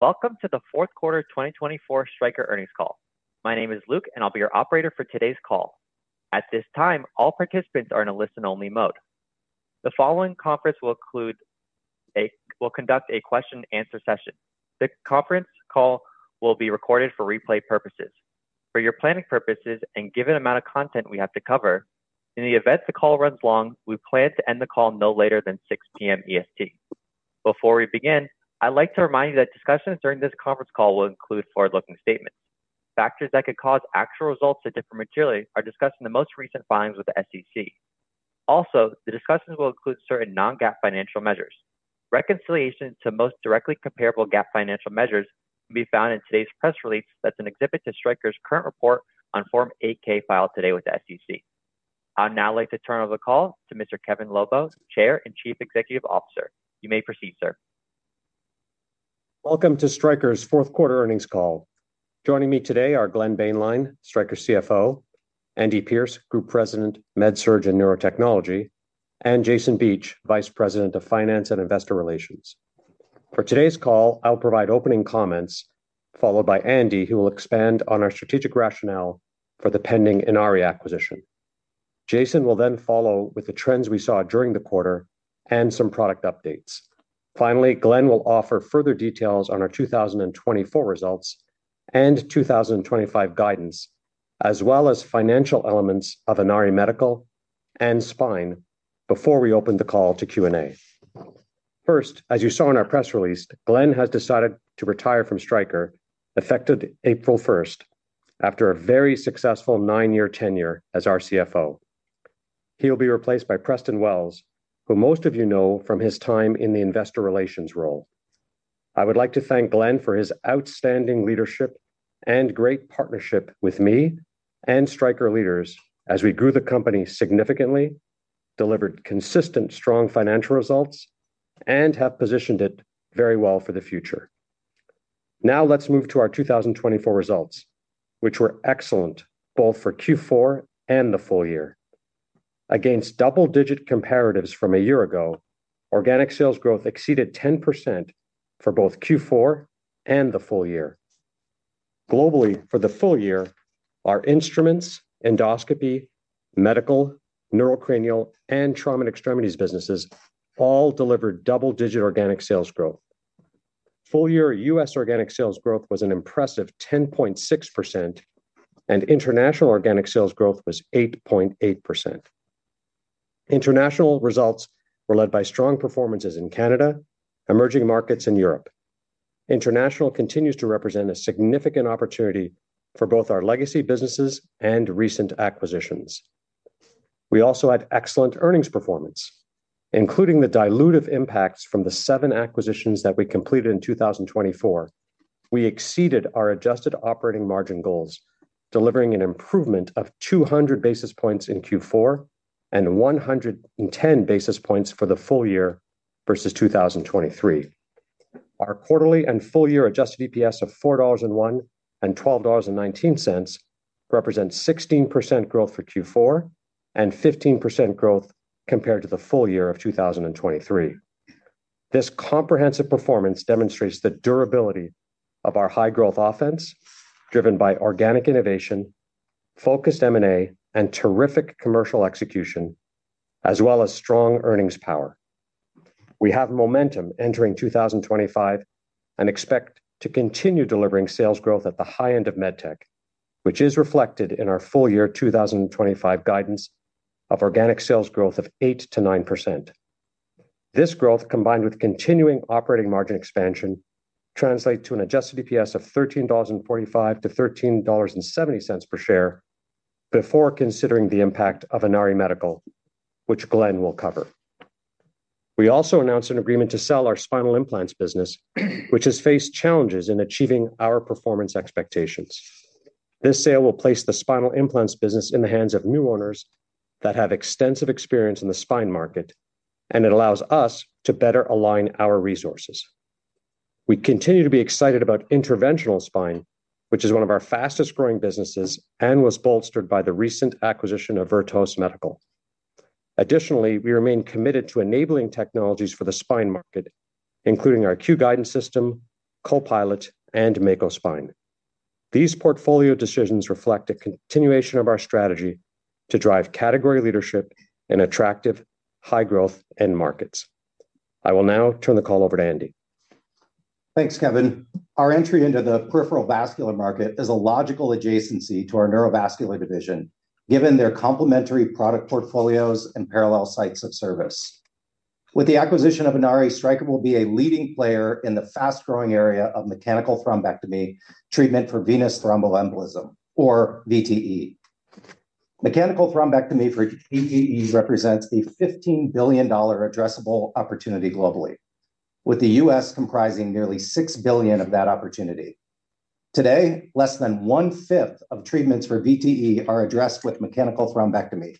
Welcome to the Fourth Quarter 2024 Stryker Earnings Call. My name is Luke, and I'll be your operator for today's call. At this time, all participants are in a listen-only mode. The following conference will conduct a question-and-answer session. The conference call will be recorded for replay purposes. For your planning purposes and given the amount of content we have to cover, in the event the call runs long, we plan to end the call no later than 6:00 P.M. EST. Before we begin, I'd like to remind you that discussions during this conference call will include forward-looking statements. Factors that could cause actual results to differ materially are discussed in the most recent filings with the SEC. Also, the discussions will include certain non-GAAP financial measures. Reconciliation to most directly comparable GAAP financial measures can be found in today's press release. That's an exhibit to Stryker's current report on Form 8-K filed today with the SEC. I'd now like to turn over the call to Mr. Kevin Lobo, Chair and Chief Executive Officer. You may proceed, sir. Welcome to Stryker's Fourth Quarter Earnings Call. Joining me today are Glenn Boehnlein, Stryker CFO; Andy Pierce, Group President, MedSurg and Neurotechnology; and Jason Beach, Vice President of Finance and Investor Relations. For today's call, I'll provide opening comments, followed by Andy, who will expand on our strategic rationale for the pending Inari acquisition. Jason will then follow with the trends we saw during the quarter and some product updates. Finally, Glenn will offer further details on our 2024 results and 2025 guidance, as well as financial elements of Inari Medical and Spine, before we open the call to Q&A. First, as you saw in our press release, Glenn has decided to retire from Stryker effective April 1st after a very successful nine-year tenure as our CFO. He'll be replaced by Preston Wells, who most of you know from his time in the investor relations role. I would like to thank Glenn for his outstanding leadership and great partnership with me and Stryker leaders as we grew the company significantly, delivered consistent, strong financial results, and have positioned it very well for the future. Now, let's move to our 2024 results, which were excellent both for Q4 and the full year. Against double-digit comparatives from a year ago, organic sales growth exceeded 10% for both Q4 and the full year. Globally, for the full year, our Instruments, Endoscopy, Medical, Neurocranial, and Trauma and Extremities businesses all delivered double-digit organic sales growth. Full-year U.S. organic sales growth was an impressive 10.6%, and international organic sales growth was 8.8%. International results were led by strong performances in Canada, Emerging Markets, and Europe. International continues to represent a significant opportunity for both our legacy businesses and recent acquisitions. We also had excellent earnings performance. Including the dilutive impacts from the seven acquisitions that we completed in 2024, we exceeded our adjusted operating margin goals, delivering an improvement of 200 basis points in Q4 and 110 basis points for the full year versus 2023. Our quarterly and full-year adjusted EPS of $4.01 and $12.19 represents 16% growth for Q4 and 15% growth compared to the full year of 2023. This comprehensive performance demonstrates the durability of our high-growth offense, driven by organic innovation, focused M&A, and terrific commercial execution, as well as strong earnings power. We have momentum entering 2025 and expect to continue delivering sales growth at the high end of medtech, which is reflected in our full-year 2025 guidance of organic sales growth of 8% to 9%. This growth, combined with continuing operating margin expansion, translates to an adjusted EPS of $13.45-$13.70 per share before considering the impact of Inari Medical, which Glenn will cover. We also announced an agreement to sell our spinal implants business, which has faced challenges in achieving our performance expectations. This sale will place the spinal implants business in the hands of new owners that have extensive experience in the spine market, and it allows us to better align our resources. We continue to be excited about interventional spine, which is one of our fastest-growing businesses and was bolstered by the recent acquisition of Vertos Medical. Additionally, we remain committed to enabling technologies for the spine market, including our Q Guidance system, Copilot, and Mako Spine. These portfolio decisions reflect a continuation of our strategy to drive category leadership in attractive, high-growth end markets. I will now turn the call over to Andy. Thanks, Kevin. Our entry into the peripheral vascular market is a logical adjacency to our neurovascular division, given their complementary product portfolios and parallel sites of service. With the acquisition of Inari, Stryker will be a leading player in the fast-growing area of mechanical thrombectomy treatment for venous thromboembolism, or VTE. Mechanical thrombectomy for VTE represents a $15 billion addressable opportunity globally, with the U.S. comprising nearly $6 billion of that opportunity. Today, less than one-fifth of treatments for VTE are addressed with mechanical thrombectomy,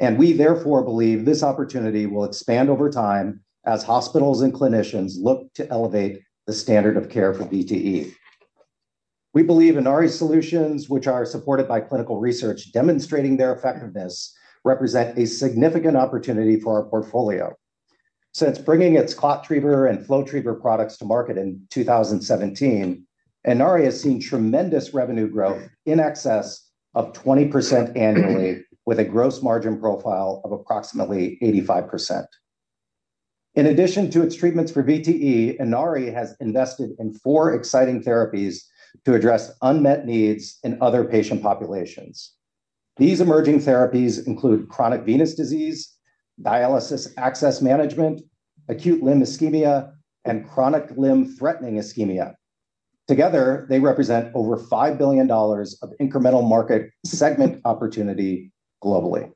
and we therefore believe this opportunity will expand over time as hospitals and clinicians look to elevate the standard of care for VTE. We believe Inari solutions, which are supported by clinical research demonstrating their effectiveness, represent a significant opportunity for our portfolio. Since bringing its ClotTriever and FlowTriever products to market in 2017, Inari has seen tremendous revenue growth in excess of 20% annually, with a gross margin profile of approximately 85%. In addition to its treatments for VTE, Inari has invested in four exciting therapies to address unmet needs in other patient populations. These emerging therapies include chronic venous disease, dialysis access management, acute limb ischemia, and chronic limb-threatening ischemia. Together, they represent over $5 billion of incremental market segment opportunity globally.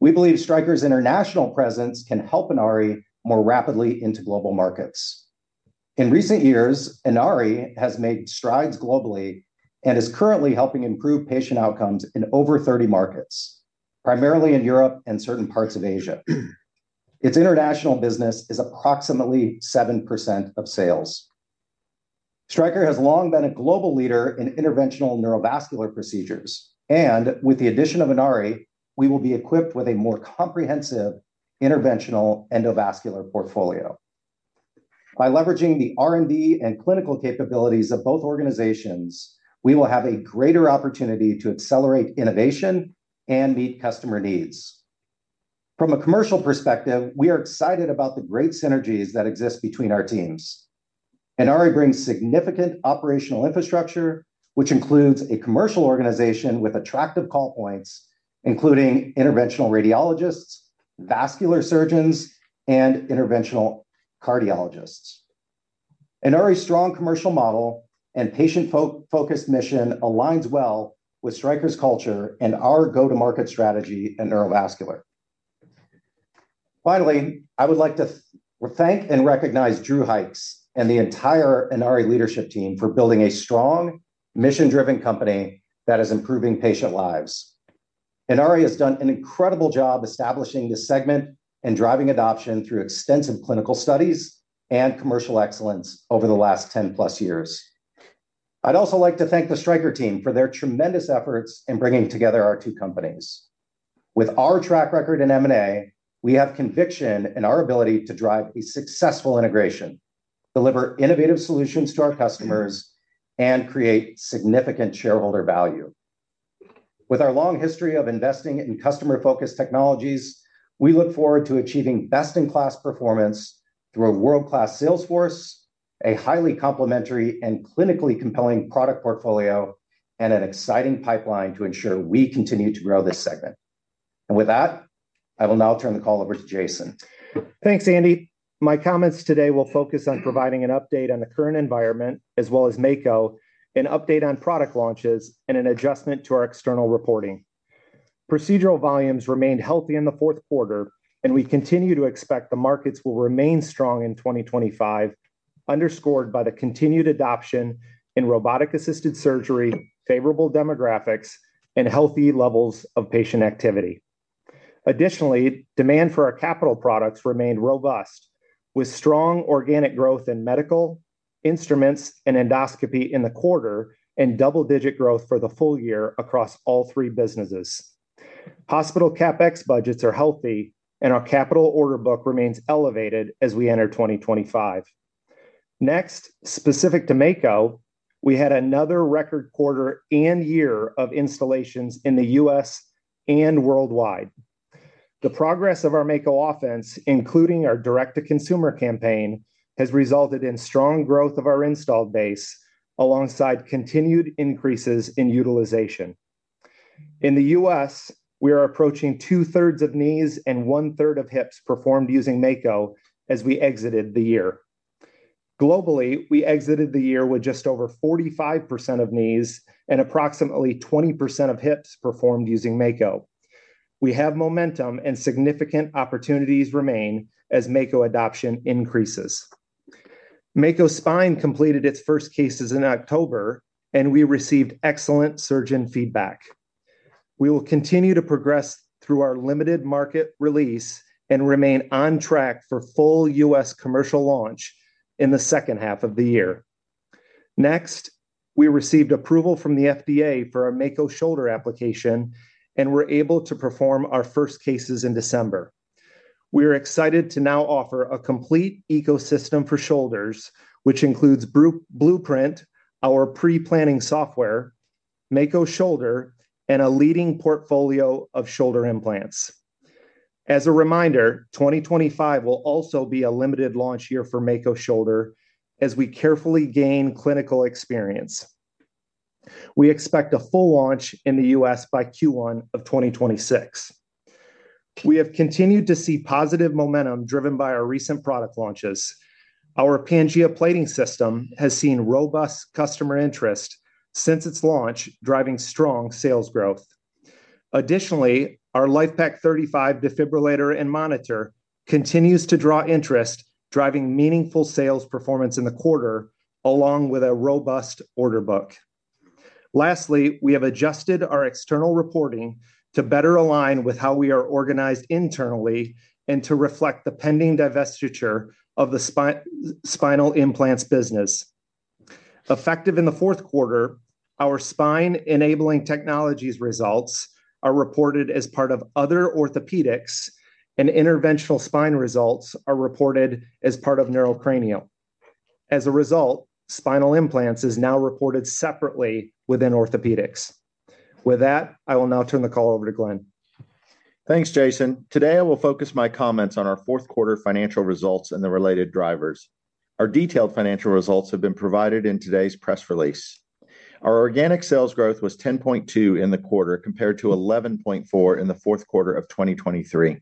We believe Stryker's international presence can help Inari more rapidly into global markets. In recent years, Inari has made strides globally and is currently helping improve patient outcomes in over 30 markets, primarily in Europe and certain parts of Asia. Its international business is approximately 7% of sales. Stryker has long been a global leader in interventional neurovascular procedures, and with the addition of Inari, we will be equipped with a more comprehensive interventional endovascular portfolio. By leveraging the R&D and clinical capabilities of both organizations, we will have a greater opportunity to accelerate innovation and meet customer needs. From a commercial perspective, we are excited about the great synergies that exist between our teams. Inari brings significant operational infrastructure, which includes a commercial organization with attractive call points, including interventional radiologists, vascular surgeons, and interventional cardiologists. Inari's strong commercial model and patient-focused mission align well with Stryker's culture and our go-to-market strategy in neurovascular. Finally, I would like to thank and recognize Drew Hykes and the entire Inari leadership team for building a strong, mission-driven company that is improving patient lives. Inari has done an incredible job establishing the segment and driving adoption through extensive clinical studies and commercial excellence over the last 10-plus years. I'd also like to thank the Stryker team for their tremendous efforts in bringing together our two companies. With our track record in M&A, we have conviction in our ability to drive a successful integration, deliver innovative solutions to our customers, and create significant shareholder value. With our long history of investing in customer-focused technologies, we look forward to achieving best-in-class performance through a world-class sales force, a highly complementary and clinically compelling product portfolio, and an exciting pipeline to ensure we continue to grow this segment. And with that, I will now turn the call over to Jason. Thanks, Andy. My comments today will focus on providing an update on the current environment, as well as Mako, an update on product launches, and an adjustment to our external reporting. Procedural volumes remained healthy in the fourth quarter, and we continue to expect the markets will remain strong in 2025, underscored by the continued adoption in robotic-assisted surgery, favorable demographics, and healthy levels of patient activity. Additionally, demand for our capital products remained robust, with strong organic growth in Medical, Instruments and Endoscopy in the quarter and double-digit growth for the full year across all three businesses. Hospital CapEx budgets are healthy, and our capital order book remains elevated as we enter 2025. Next, specific to Mako, we had another record quarter and year of installations in the U.S. and worldwide. The progress of our Mako offense, including our direct-to-consumer campaign, has resulted in strong growth of our installed base alongside continued increases in utilization. In the U.S., we are approaching two-thirds of knees and one-third of hips performed using Mako as we exited the year. Globally, we exited the year with just over 45% of knees and approximately 20% of hips performed using Mako. We have momentum, and significant opportunities remain as Mako adoption increases. Mako Spine completed its first cases in October, and we received excellent surgeon feedback. We will continue to progress through our limited market release and remain on track for full U.S. commercial launch in the second half of the year. Next, we received approval from the FDA for our Mako Shoulder application and were able to perform our first cases in December. We are excited to now offer a complete ecosystem for shoulders, which includes Blueprint, our pre-planning software, Mako Shoulder, and a leading portfolio of shoulder implants. As a reminder, 2025 will also be a limited launch year for Mako Shoulder as we carefully gain clinical experience. We expect a full launch in the U.S. by Q1 of 2026. We have continued to see positive momentum driven by our recent product launches. Our Pangea plating system has seen robust customer interest since its launch, driving strong sales growth. Additionally, our LIFEPAK 35 defibrillator and monitor continues to draw interest, driving meaningful sales performance in the quarter along with a robust order book. Lastly, we have adjusted our external reporting to better align with how we are organized internally and to reflect the pending divestiture of the spinal implants business. Effective in the fourth quarter, our spine-enabling technologies results are reported as part of other Orthopaedics, and Interventional Spine results are reported as part of Neurocranial. As a result, Spinal Implants is now reported separately within Orthopaedics. With that, I will now turn the call over to Glenn. Thanks, Jason. Today, I will focus my comments on our fourth quarter financial results and the related drivers. Our detailed financial results have been provided in today's press release. Our organic sales growth was 10.2% in the quarter compared to 11.4% in the fourth quarter of 2023.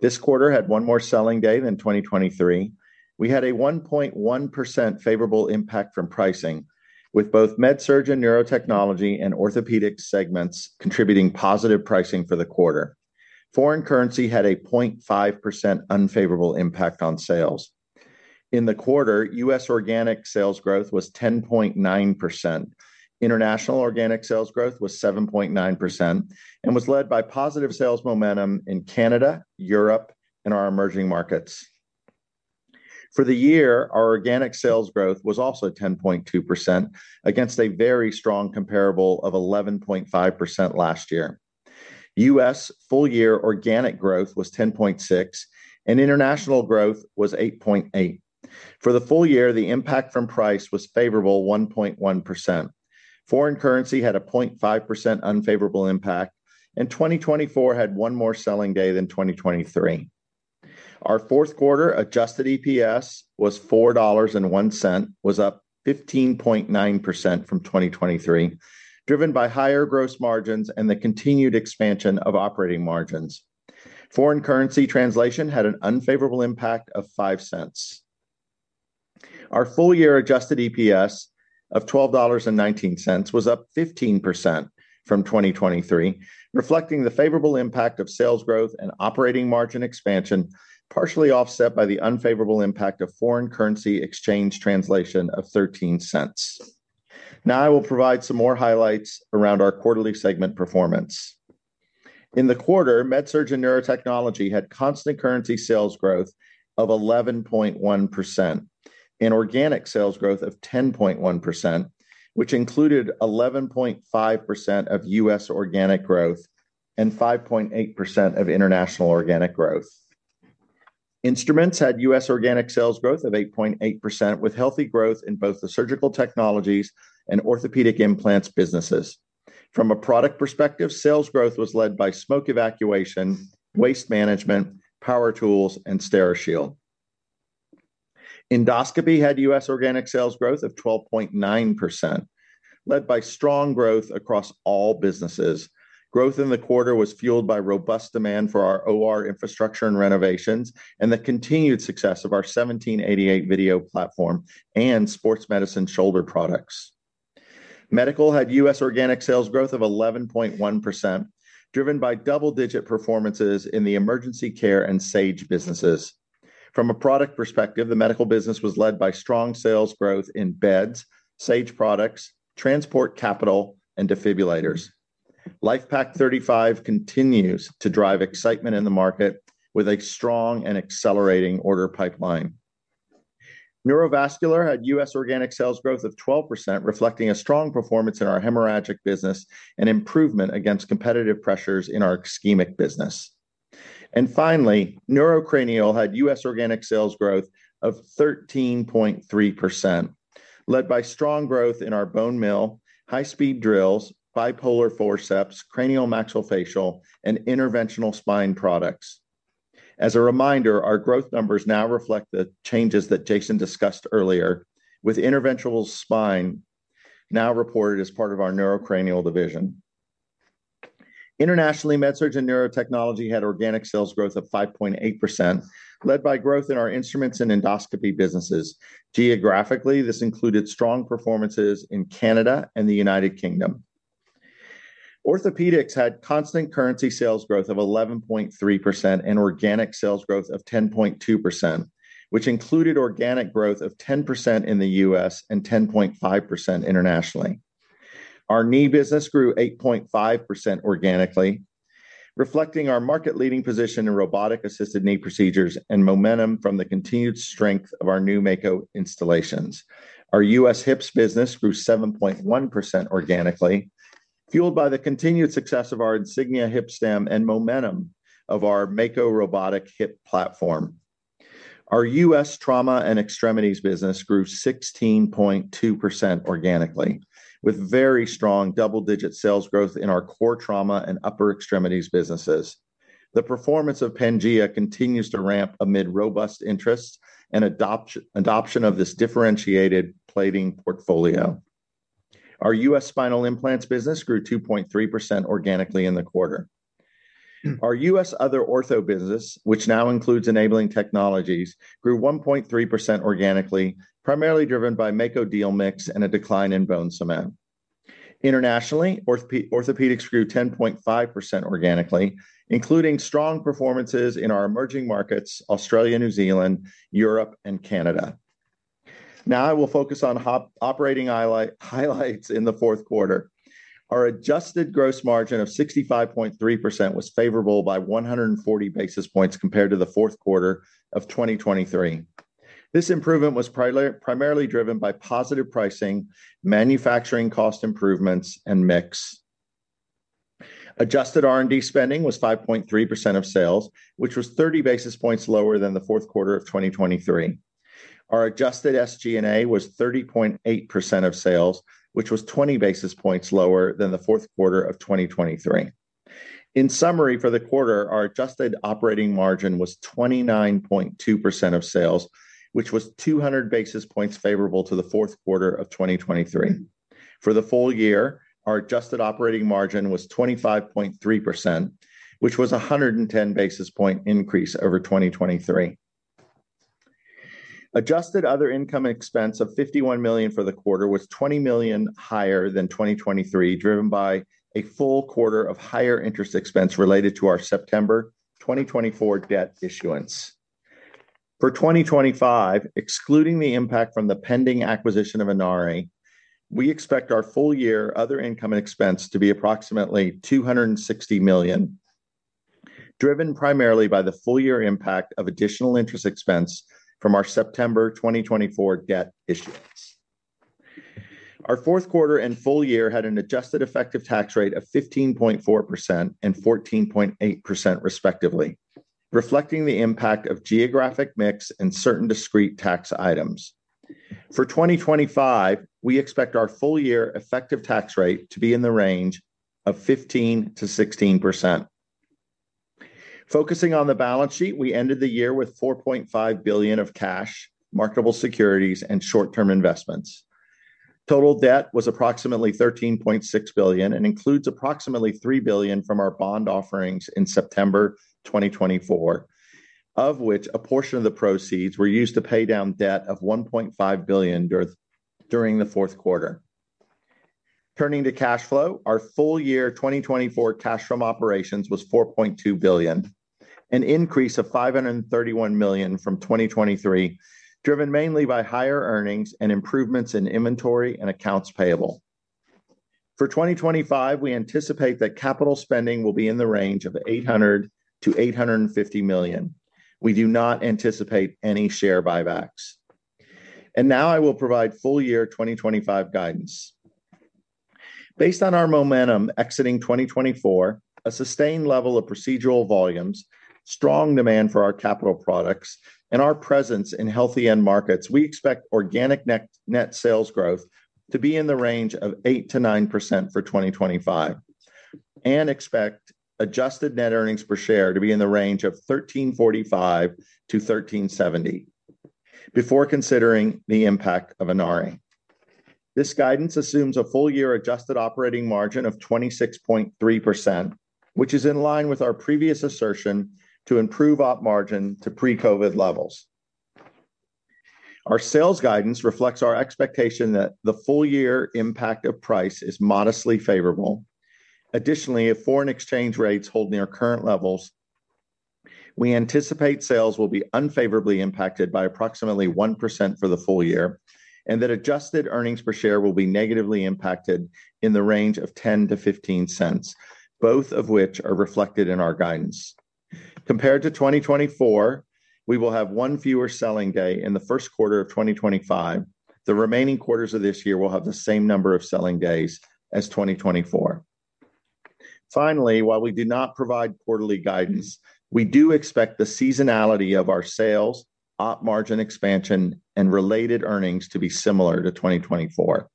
This quarter had one more selling day than 2023. We had a 1.1% favorable impact from pricing, with both MedSurg and Neurotechnology and Orthopaedics segments contributing positive pricing for the quarter. Foreign currency had a 0.5% unfavorable impact on sales. In the quarter, U.S. organic sales growth was 10.9%. International organic sales growth was 7.9% and was led by positive sales momentum in Canada, Europe, and our emerging markets. For the year, our organic sales growth was also 10.2% against a very strong comparable of 11.5% last year. U.S. full-year organic growth was 10.6%, and international growth was 8.8%. For the full year, the impact from price was favorable 1.1%. Foreign currency had a 0.5% unfavorable impact, and 2024 had one more selling day than 2023. Our fourth quarter adjusted EPS was $4.01, was up 15.9% from 2023, driven by higher gross margins and the continued expansion of operating margins. Foreign currency translation had an unfavorable impact of 5 cents. Our full-year adjusted EPS of $12.19 was up 15% from 2023, reflecting the favorable impact of sales growth and operating margin expansion, partially offset by the unfavorable impact of foreign currency exchange translation of 13 cents. Now, I will provide some more highlights around our quarterly segment performance. In the quarter, MedSurg and Neurotechnology had constant currency sales growth of 11.1% and organic sales growth of 10.1%, which included 11.5% of U.S. organic growth and 5.8% of international organic growth. Instruments had U.S. organic sales growth of 8.8%, with healthy growth in both the surgical technologies and Orthopedic implants businesses. From a product perspective, sales growth was led by smoke evacuation, waste management, power tools, and Steri-Shield. Endoscopy had U.S. organic sales growth of 12.9%, led by strong growth across all businesses. Growth in the quarter was fueled by robust demand for our OR infrastructure and renovations and the continued success of our 1788 video platform and sports medicine shoulder products. Medical had U.S. organic sales growth of 11.1%, driven by double-digit performances in the emergency care and Sage businesses. From a product perspective, the medical business was led by strong sales growth in beds, Sage products, transport capital, and defibrillators. LIFEPAK 35 continues to drive excitement in the market with a strong and accelerating order pipeline. Neurovascular had U.S. Organic sales growth of 12%, reflecting a strong performance in our hemorrhagic business and improvement against competitive pressures in our ischemic business. Neurocranial had U.S. organic sales growth of 13.3%, led by strong growth in our bone mill, high-speed drills, bipolar forceps, craniomaxillofacial, and Interventional Spine products. As a reminder, our growth numbers now reflect the changes that Jason discussed earlier, with Interventional Spine now reported as part of our Neurocranial division. Internationally, MedSurg and Neurotechnology had organic sales growth of 5.8%, led by growth in our instruments and Endoscopy businesses. Geographically, this included strong performances in Canada and the United Kingdom. Orthopaedics had constant currency sales growth of 11.3% and organic sales growth of 10.2%, which included organic growth of 10% in the U.S. and 10.5% internationally. Our knee business grew 8.5% organically, reflecting our market-leading position in robotic-assisted knee procedures and momentum from the continued strength of our new Mako installations. Our U.S. hips business grew 7.1% organically, fueled by the continued success of our Insignia hip stem and momentum of our Mako robotic hip platform. Our U.S. trauma and extremities business grew 16.2% organically, with very strong double-digit sales growth in our core trauma and upper extremities businesses. The performance of Pangea continues to ramp amid robust interests and adoption of this differentiated plating portfolio. Our U.S. spinal implants business grew 2.3% organically in the quarter. Our U.S. other ortho business, which now includes enabling technologies, grew 1.3% organically, primarily driven by Mako deal mix and a decline in bone cement. Internationally, Orthopedics grew 10.5% organically, including strong performances in our emerging markets, Australia, New Zealand, Europe, and Canada. Now, I will focus on operating highlights in the fourth quarter. Our adjusted gross margin of 65.3% was favorable by 140 basis points compared to the fourth quarter of 2023. This improvement was primarily driven by positive pricing, manufacturing cost improvements, and mix. Adjusted R&D spending was 5.3% of sales, which was 30 basis points lower than the fourth quarter of 2023. Our adjusted SG&A was 30.8% of sales, which was 20 basis points lower than the fourth quarter of 2023. In summary, for the quarter, our adjusted operating margin was 29.2% of sales, which was 200 basis points favorable to the fourth quarter of 2023. For the full year, our adjusted operating margin was 25.3%, which was a 110 basis point increase over 2023. Adjusted other income expense of $51 million for the quarter was $20 million higher than 2023, driven by a full quarter of higher interest expense related to our September 2024 debt issuance. For 2025, excluding the impact from the pending acquisition of Inari, we expect our full year other income and expense to be approximately $260 million, driven primarily by the full year impact of additional interest expense from our September 2024 debt issuance. Our fourth quarter and full year had an adjusted effective tax rate of 15.4% and 14.8%, respectively, reflecting the impact of geographic mix and certain discrete tax items. For 2025, we expect our full year effective tax rate to be in the range of 15%-16%. Focusing on the balance sheet, we ended the year with $4.5 billion of cash, marketable securities, and short-term investments. Total debt was approximately $13.6 billion and includes approximately $3 billion from our bond offerings in September 2024, of which a portion of the proceeds were used to pay down debt of $1.5 billion during the fourth quarter. Turning to cash flow, our full year 2024 cash from operations was $4.2 billion, an increase of $531 million from 2023, driven mainly by higher earnings and improvements in inventory and accounts payable. For 2025, we anticipate that capital spending will be in the range of $800 million-$850 million. We do not anticipate any share buybacks, and now I will provide full year 2025 guidance. Based on our momentum exiting 2024, a sustained level of procedural volumes, strong demand for our capital products, and our presence in healthy end markets, we expect organic net sales growth to be in the range of 8% to 9% for 2025 and expect adjusted net earnings per share to be in the range of $13.45 to $13.70 before considering the impact of Inari. This guidance assumes a full year adjusted operating margin of 26.3%, which is in line with our previous assertion to improve op margin to pre-COVID levels. Our sales guidance reflects our expectation that the full year impact of price is modestly favorable. Additionally, if foreign exchange rates hold near current levels, we anticipate sales will be unfavorably impacted by approximately 1% for the full year and that adjusted earnings per share will be negatively impacted in the range of $0.10-$0.15, both of which are reflected in our guidance. Compared to 2024, we will have one fewer selling day in the first quarter of 2025. The remaining quarters of this year will have the same number of selling days as 2024. Finally, while we do not provide quarterly guidance, we do expect the seasonality of our sales, op margin expansion, and related earnings to be similar to 2024.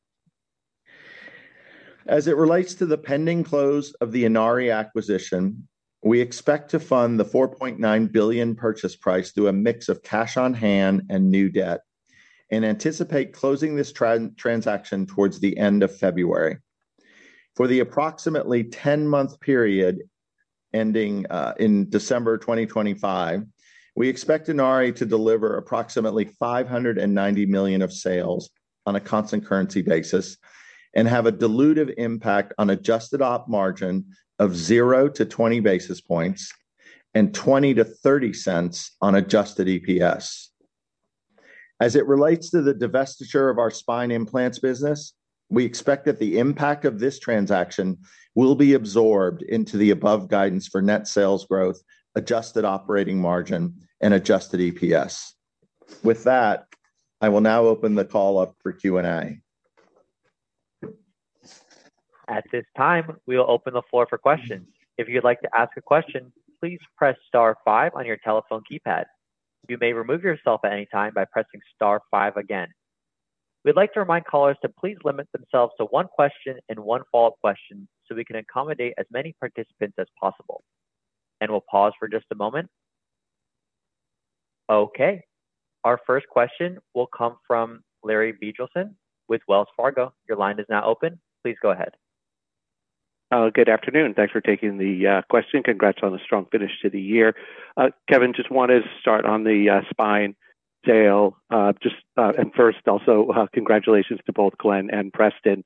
As it relates to the pending close of the Inari acquisition, we expect to fund the $4.9 billion purchase price through a mix of cash on hand and new debt and anticipate closing this transaction towards the end of February. For the approximately 10-month period ending in December 2025, we expect Inari to deliver approximately $590 million of sales on a constant currency basis and have a dilutive impact on adjusted op margin of 0 to 20 basis points and $0.20 to $0.30 on adjusted EPS. As it relates to the divestiture of our spine implants business, we expect that the impact of this transaction will be absorbed into the above guidance for net sales growth, adjusted operating margin, and adjusted EPS. With that, I will now open the call up for Q&A. At this time, we will open the floor for questions. If you'd like to ask a question, please press Star 5 on your telephone keypad. You may remove yourself at any time by pressing Star 5 again. We'd like to remind callers to please limit themselves to one question and one follow-up question so we can accommodate as many participants as possible. And we'll pause for just a moment. Okay. Our first question will come from Larry Biegelsen with Wells Fargo. Your line is now open. Please go ahead. Good afternoon. Thanks for taking the question. Congrats on a strong finish to the year. Kevin, just wanted to start on the spine sale. Just first, also congratulations to both Glenn and Preston.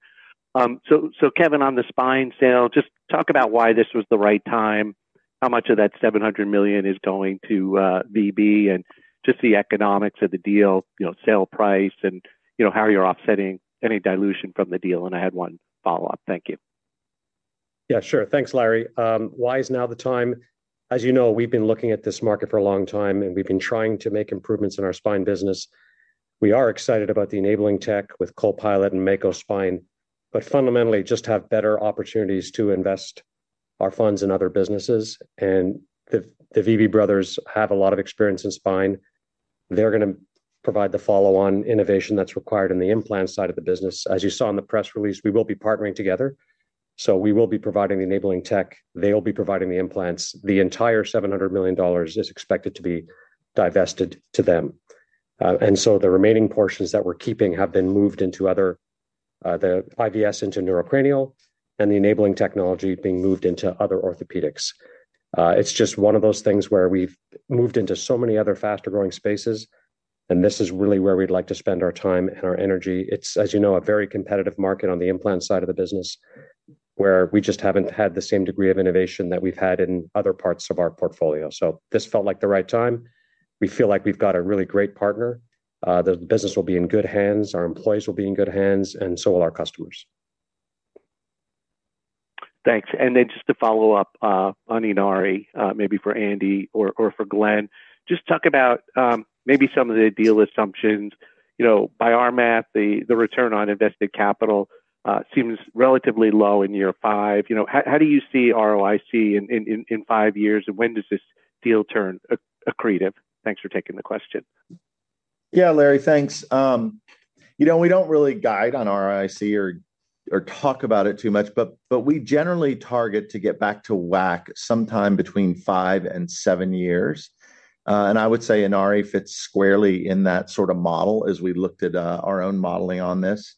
So Kevin, on the spine sale, just talk about why this was the right time, how much of that $700 million is going to VB, and just the economics of the deal, sale price, and how you're offsetting any dilution from the deal. And I had one follow-up. Thank you. Yeah, sure. Thanks, Larry. Why is now the time? As you know, we've been looking at this market for a long time, and we've been trying to make improvements in our spine business. We are excited about the enabling tech with Copilot and Mako spine, but fundamentally just have better opportunities to invest our funds in other businesses. The VB brothers have a lot of experience in spine. They're going to provide the follow-on innovation that's required in the implant side of the business. As you saw in the press release, we will be partnering together. So we will be providing the enabling tech. They will be providing the implants. The entire $700 million is expected to be divested to them. The remaining portions that we're keeping have been moved into other, the IVS into Neurocranial and the enabling technology being moved into other Orthopedics. It's just one of those things where we've moved into so many other faster-growing spaces, and this is really where we'd like to spend our time and our energy. It's, as you know, a very competitive market on the implant side of the business where we just haven't had the same degree of innovation that we've had in other parts of our portfolio. So this felt like the right time. We feel like we've got a really great partner. The business will be in good hands. Our employees will be in good hands, and so will our customers. Thanks. And then just to follow up on Inari, maybe for Andy or for Glenn, just talk about maybe some of the deal assumptions. By our math, the return on invested capital seems relatively low in year five. How do you see ROIC in five years, and when does this deal turn accretive? Thanks for taking the question. Yeah, Larry, thanks. We don't really guide on ROIC or talk about it too much, but we generally target to get back to WACC sometime between five and seven years. And I would say Inari fits squarely in that sort of model as we looked at our own modeling on this.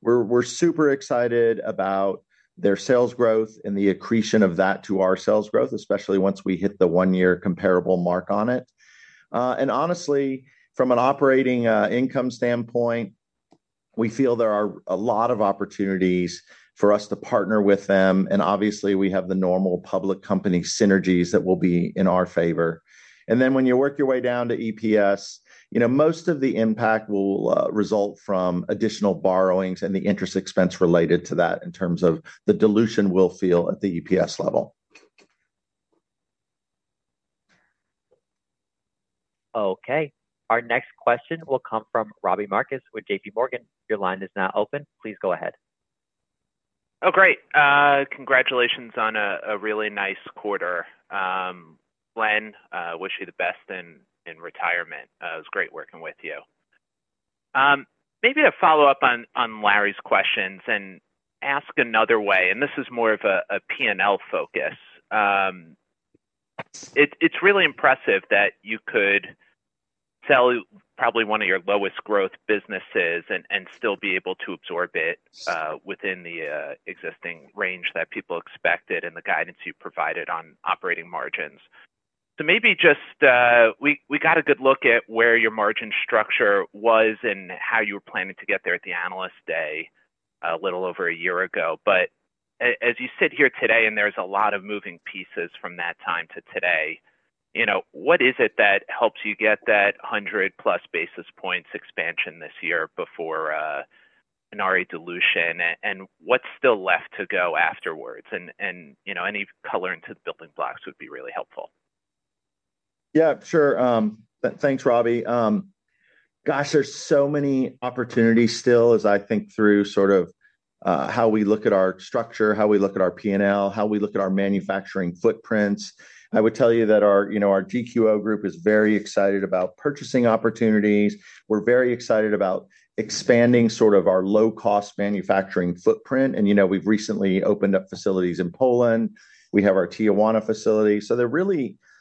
We're super excited about their sales growth and the accretion of that to our sales growth, especially once we hit the one-year comparable mark on it. And honestly, from an operating income standpoint, we feel there are a lot of opportunities for us to partner with them. And obviously, we have the normal public company synergies that will be in our favor. And then when you work your way down to EPS, most of the impact will result from additional borrowings and the interest expense related to that in terms of the dilution we'll feel at the EPS level. Okay. Our next question will come from Robbie Marcus with JPMorgan. Your line is now open. Please go ahead. Oh, great. Congratulations on a really nice quarter. Glenn, I wish you the best in retirement. It was great working with you. Maybe a follow-up on Larry's questions and ask another way. And this is more of a P&L focus. It's really impressive that you could sell probably one of your lowest growth businesses and still be able to absorb it within the existing range that people expected and the guidance you provided on operating margins. So maybe just we got a good look at where your margin structure was and how you were planning to get there at the analyst day a little over a year ago. But as you sit here today, and there's a lot of moving pieces from that time to today, what is it that helps you get that 100-plus basis points expansion this year before Inari dilution, and what's still left to go afterwards? And any color into the building blocks would be really helpful. Yeah, sure. Thanks, Robbie. Gosh, there's so many opportunities still as I think through sort of how we look at our structure, how we look at our P&L, how we look at our manufacturing footprints. I would tell you that our GQO group is very excited about purchasing opportunities. We're very excited about expanding sort of our low-cost manufacturing footprint. We've recently opened up facilities in Poland. We have our Tijuana facility.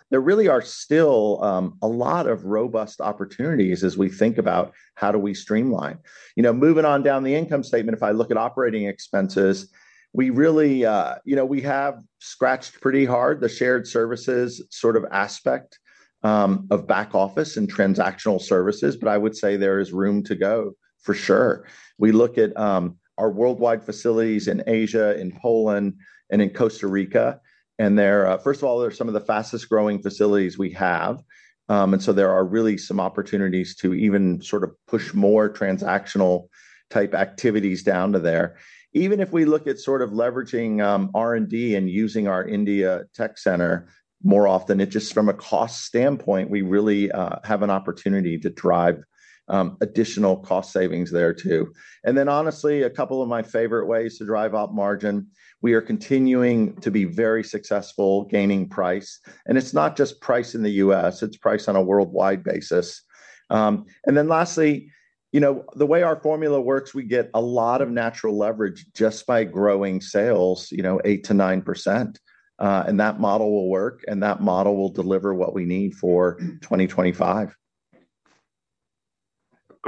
There really are still a lot of robust opportunities as we think about how do we streamline. Moving on down the income statement, if I look at operating expenses, we really have scratched pretty hard the shared services sort of aspect of back office and transactional services, but I would say there is room to go for sure. We look at our worldwide facilities in Asia, in Poland, and in Costa Rica. First of all, there are some of the fastest-growing facilities we have. There are really some opportunities to even sort of push more transactional-type activities down to there. Even if we look at sort of leveraging R&D and using our India tech center more often, it just from a cost standpoint, we really have an opportunity to drive additional cost savings there too. And then honestly, a couple of my favorite ways to drive op margin, we are continuing to be very successful gaining price. And it's not just price in the U.S., it's price on a worldwide basis. And then lastly, the way our formula works, we get a lot of natural leverage just by growing sales 8%-9%. And that model will work, and that model will deliver what we need for 2025.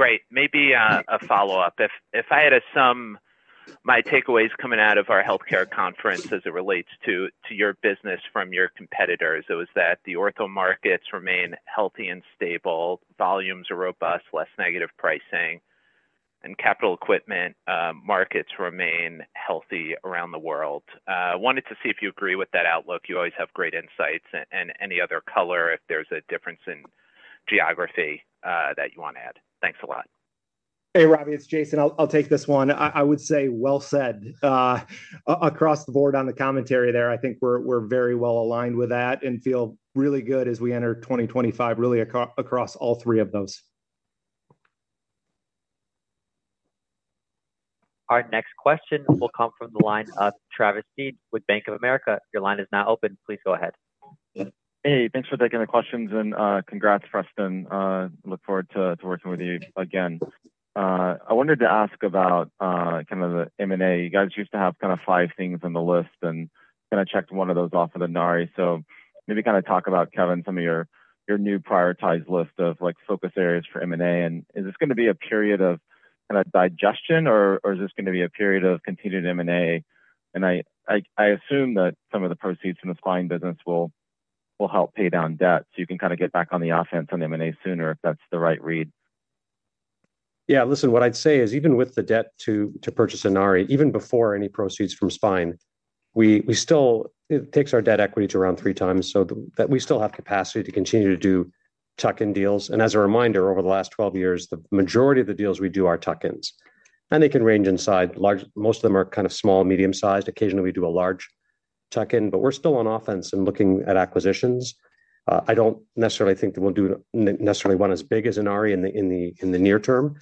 Great. Maybe a follow-up. If I had to sum my takeaways coming out of our healthcare conference as it relates to your business from your competitors, it was that the ortho markets remain healthy and stable, volumes are robust, less negative pricing, and capital equipment markets remain healthy around the world. I wanted to see if you agree with that outlook. You always have great insights, and any other color if there's a difference in geography that you want to add. Thanks a lot. Hey, Robbie, it's Jason. I'll take this one. I would say well said. Across the board on the commentary there, I think we're very well aligned with that and feel really good as we enter 2025, really across all three of those. Our next question will come from the line of Travis Steed with Bank of America. Your line is now open. Please go ahead. Hey, thanks for taking the questions. And congrats, Preston. Look forward to working with you again. I wanted to ask about kind of the M&A. You guys used to have kind of five things on the list, and kind of checked one of those off of the Inari. So maybe kind of talk about, Kevin, some of your new prioritized list of focus areas for M&A. And is this going to be a period of kind of digestion, or is this going to be a period of continued M&A? And I assume that some of the proceeds from the spine business will help pay down debt so you can kind of get back on the offense on M&A sooner if that's the right read. Yeah. Listen, what I'd say is even with the debt to purchase Inari, even before any proceeds from spine, it takes our debt equity to around three times so that we still have capacity to continue to do tuck-in deals. And as a reminder, over the last 12 years, the majority of the deals we do are tuck-ins. And they can range inside. Most of them are kind of small, medium-sized. Occasionally, we do a large tuck-in, but we're still on offense and looking at acquisitions. I don't necessarily think that we'll do necessarily one as big as Inari in the near term.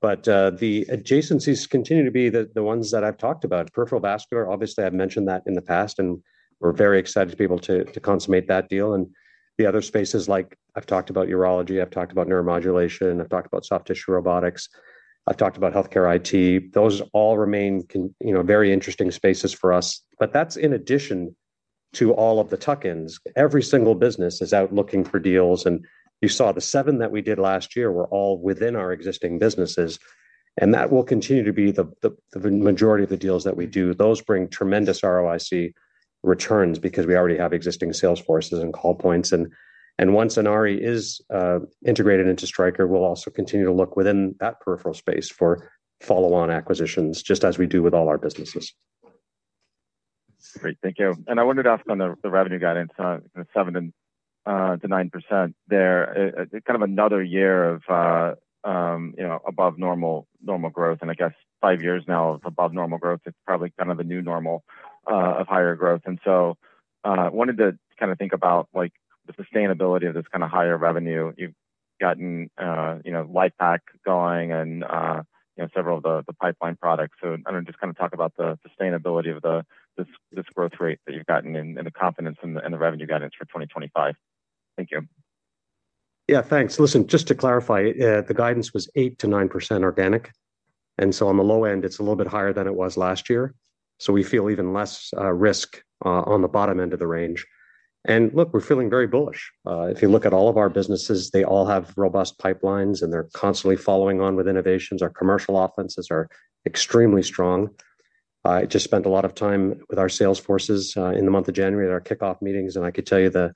But the adjacencies continue to be the ones that I've talked about, peripheral vascular. Obviously, I've mentioned that in the past, and we're very excited to be able to consummate that deal. And the other spaces, like I've talked about urology, I've talked about neuromodulation, I've talked about soft tissue robotics, I've talked about healthcare IT. Those all remain very interesting spaces for us. But that's in addition to all of the tuck-ins. Every single business is out looking for deals. And you saw the seven that we did last year were all within our existing businesses. And that will continue to be the majority of the deals that we do. Those bring tremendous ROIC returns because we already have existing sales forces and call points. And once Inari is integrated into Stryker, we'll also continue to look within that peripheral space for follow-on acquisitions, just as we do with all our businesses. Great. Thank you. And I wanted to ask on the revenue guidance, 7%-9% there, kind of another year of above normal growth. And I guess five years now of above normal growth. It's probably kind of the new normal of higher growth. And so I wanted to kind of think about the sustainability of this kind of higher revenue. You've gotten LIFEPAK going and several of the pipeline products. So I want to just kind of talk about the sustainability of this growth rate that you've gotten and the confidence in the revenue guidance for 2025. Thank you. Yeah, thanks. Listen, just to clarify, the guidance was 8%-9% organic. And so on the low end, it's a little bit higher than it was last year. So we feel even less risk on the bottom end of the range. And look, we're feeling very bullish. If you look at all of our businesses, they all have robust pipelines, and they're constantly following on with innovations. Our commercial execution is extremely strong. I just spent a lot of time with our sales forces in the month of January at our kickoff meetings, and I could tell you the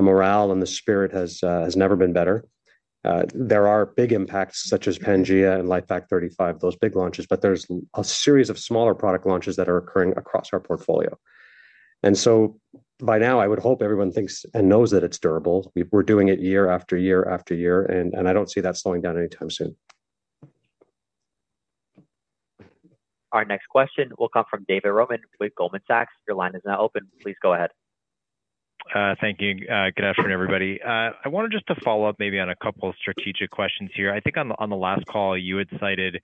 morale and the spirit has never been better. There are big impacts such as Pangea and LIFEPAK 35, those big launches, but there's a series of smaller product launches that are occurring across our portfolio, and so by now, I would hope everyone thinks and knows that it's durable. We're doing it year after year after year, and I don't see that slowing down anytime soon. Our next question will come from David Roman with Goldman Sachs. Your line is now open. Please go ahead. Thank you. Good afternoon, everybody. I wanted just to follow up maybe on a couple of strategic questions here. I think on the last call, you had cited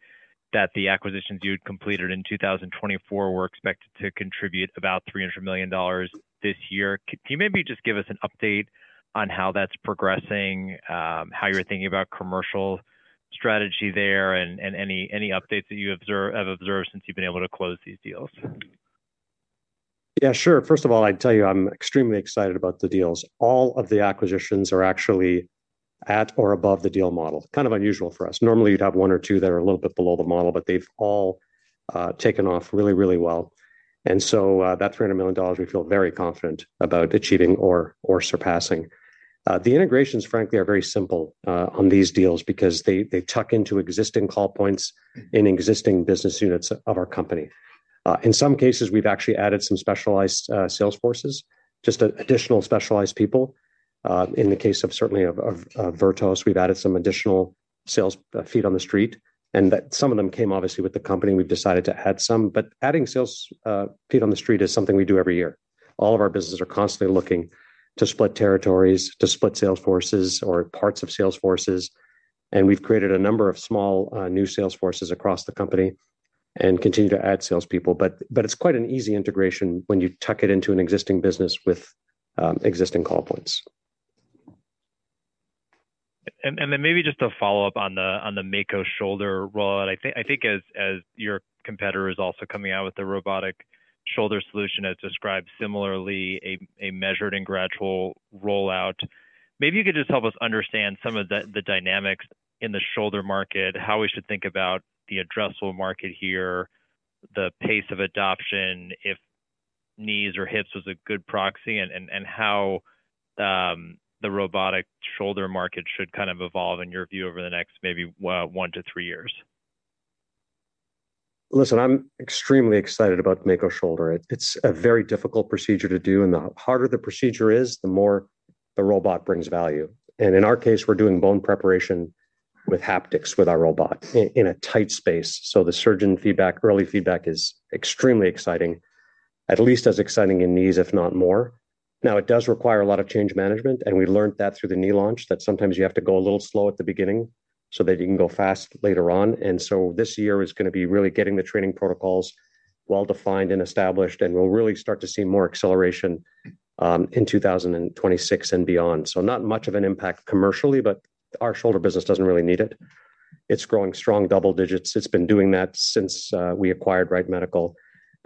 that the acquisitions you had completed in 2024 were expected to contribute about $300 million this year. Can you maybe just give us an update on how that's progressing, how you're thinking about commercial strategy there, and any updates that you have observed since you've been able to close these deals? Yeah, sure. First of all, I'd tell you I'm extremely excited about the deals. All of the acquisitions are actually at or above the deal model. Kind of unusual for us. Normally, you'd have one or two that are a little bit below the model, but they've all taken off really, really well. And so that $300 million, we feel very confident about achieving or surpassing. The integrations, frankly, are very simple on these deals because they tuck into existing call points in existing business units of our company. In some cases, we've actually added some specialized sales forces, just additional specialized people. In the case of certainly of Vertos, we've added some additional sales feet on the street. And some of them came obviously with the company. We've decided to add some. But adding sales feet on the street is something we do every year. All of our businesses are constantly looking to split territories, to split sales forces or parts of sales forces. And we've created a number of small new sales forces across the company and continue to add salespeople. But it's quite an easy integration when you tuck it into an existing business with existing call points. And then maybe just a follow-up on the Mako Shoulder rollout. I think as your competitor is also coming out with the robotic shoulder solution as described, similarly, a measured and gradual rollout. Maybe you could just help us understand some of the dynamics in the shoulder market, how we should think about the addressable market here, the pace of adoption, if knees or hips was a good proxy, and how the robotic shoulder market should kind of evolve in your view over the next maybe one to three years? Listen, I'm extremely excited about Mako Shoulder. It's a very difficult procedure to do. And the harder the procedure is, the more the robot brings value. And in our case, we're doing bone preparation with haptics with our robot in a tight space. So the surgeon feedback, early feedback is extremely exciting, at least as exciting in knees, if not more. Now, it does require a lot of change management. We learned that through the knee launch, that sometimes you have to go a little slow at the beginning so that you can go fast later on. And so this year is going to be really getting the training protocols well defined and established, and we'll really start to see more acceleration in 2026 and beyond. So not much of an impact commercially, but our shoulder business doesn't really need it. It's growing strong double digits. It's been doing that since we acquired Wright Medical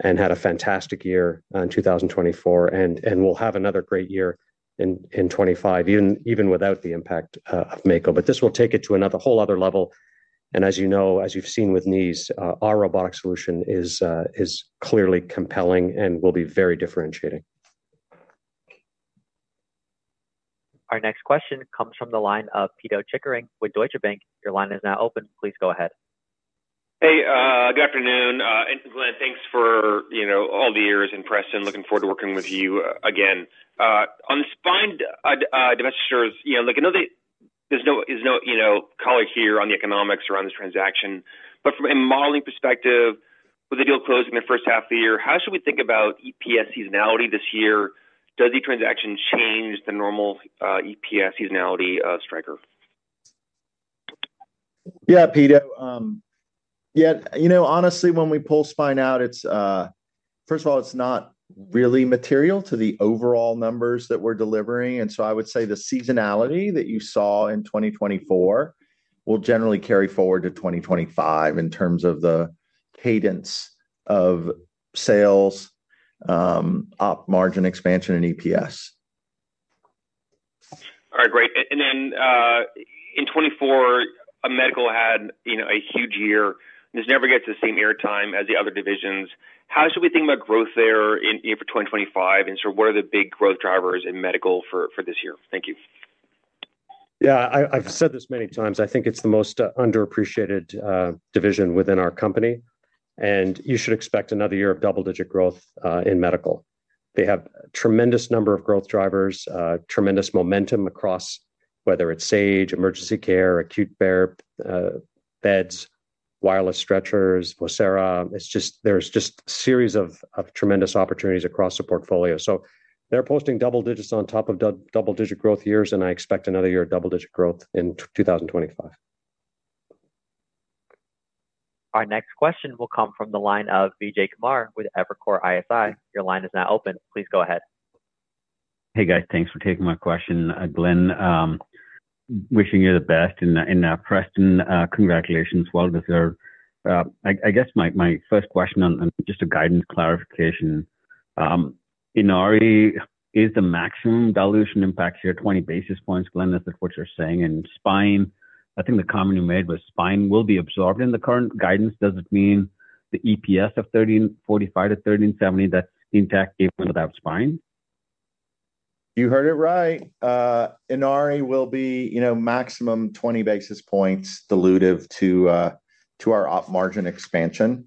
and had a fantastic year in 2024. And we'll have another great year in 2025, even without the impact of Mako. But this will take it to a whole other level. And as you know, as you've seen with knees, our robotic solution is clearly compelling and will be very differentiating. Our next question comes from the line of Pito Chickering with Deutsche Bank. Your line is now open. Please go ahead. Hey, good afternoon. And Glenn, thanks for all the years and Preston. Looking forward to working with you again. On the spine division, I know there's no color here on the economics around this transaction. But from a modeling perspective, with the deal closing in the first half of the year, how should we think about EPS seasonality this year? Does the transaction change the normal EPS seasonality of Stryker? Yeah, Pito. Yeah. Honestly, when we pull spine out, first of all, it's not really material to the overall numbers that we're delivering. And so I would say the seasonality that you saw in 2024 will generally carry forward to 2025 in terms of the cadence of sales, op margin expansion, and EPS. All right. Great. And then in 2024, Medical had a huge year. This never gets the same airtime as the other divisions. How should we think about growth there for 2025? And so what are the big growth drivers in Medical for this year? Thank you. Yeah. I've said this many times. I think it's the most underappreciated division within our company. And you should expect another year of double-digit growth in Medical. They have a tremendous number of growth drivers, tremendous momentum across whether it's Sage, emergency care, acute beds, wireless stretchers, Vocera. There's just a series of tremendous opportunities across the portfolio. So they're posting double digits on top of double-digit growth years, and I expect another year of double-digit growth in 2025. Our next question will come from the line of Vijay Kumar with Evercore ISI. Your line is now open. Please go ahead. Hey, guys. Thanks for taking my question, Glenn. Wishing you the best. Preston, congratulations as well. I guess my first question on just a guidance clarification. Inari is the maximum dilution impact here, 20 basis points. Glenn, is that what you're saying? And spine, I think the comment you made was spine will be absorbed in the current guidance. Does it mean the EPS of $13.45-$13.70, that's intact even without spine? You heard it right. Inari will be maximum 20 basis points dilutive to our op margin expansion.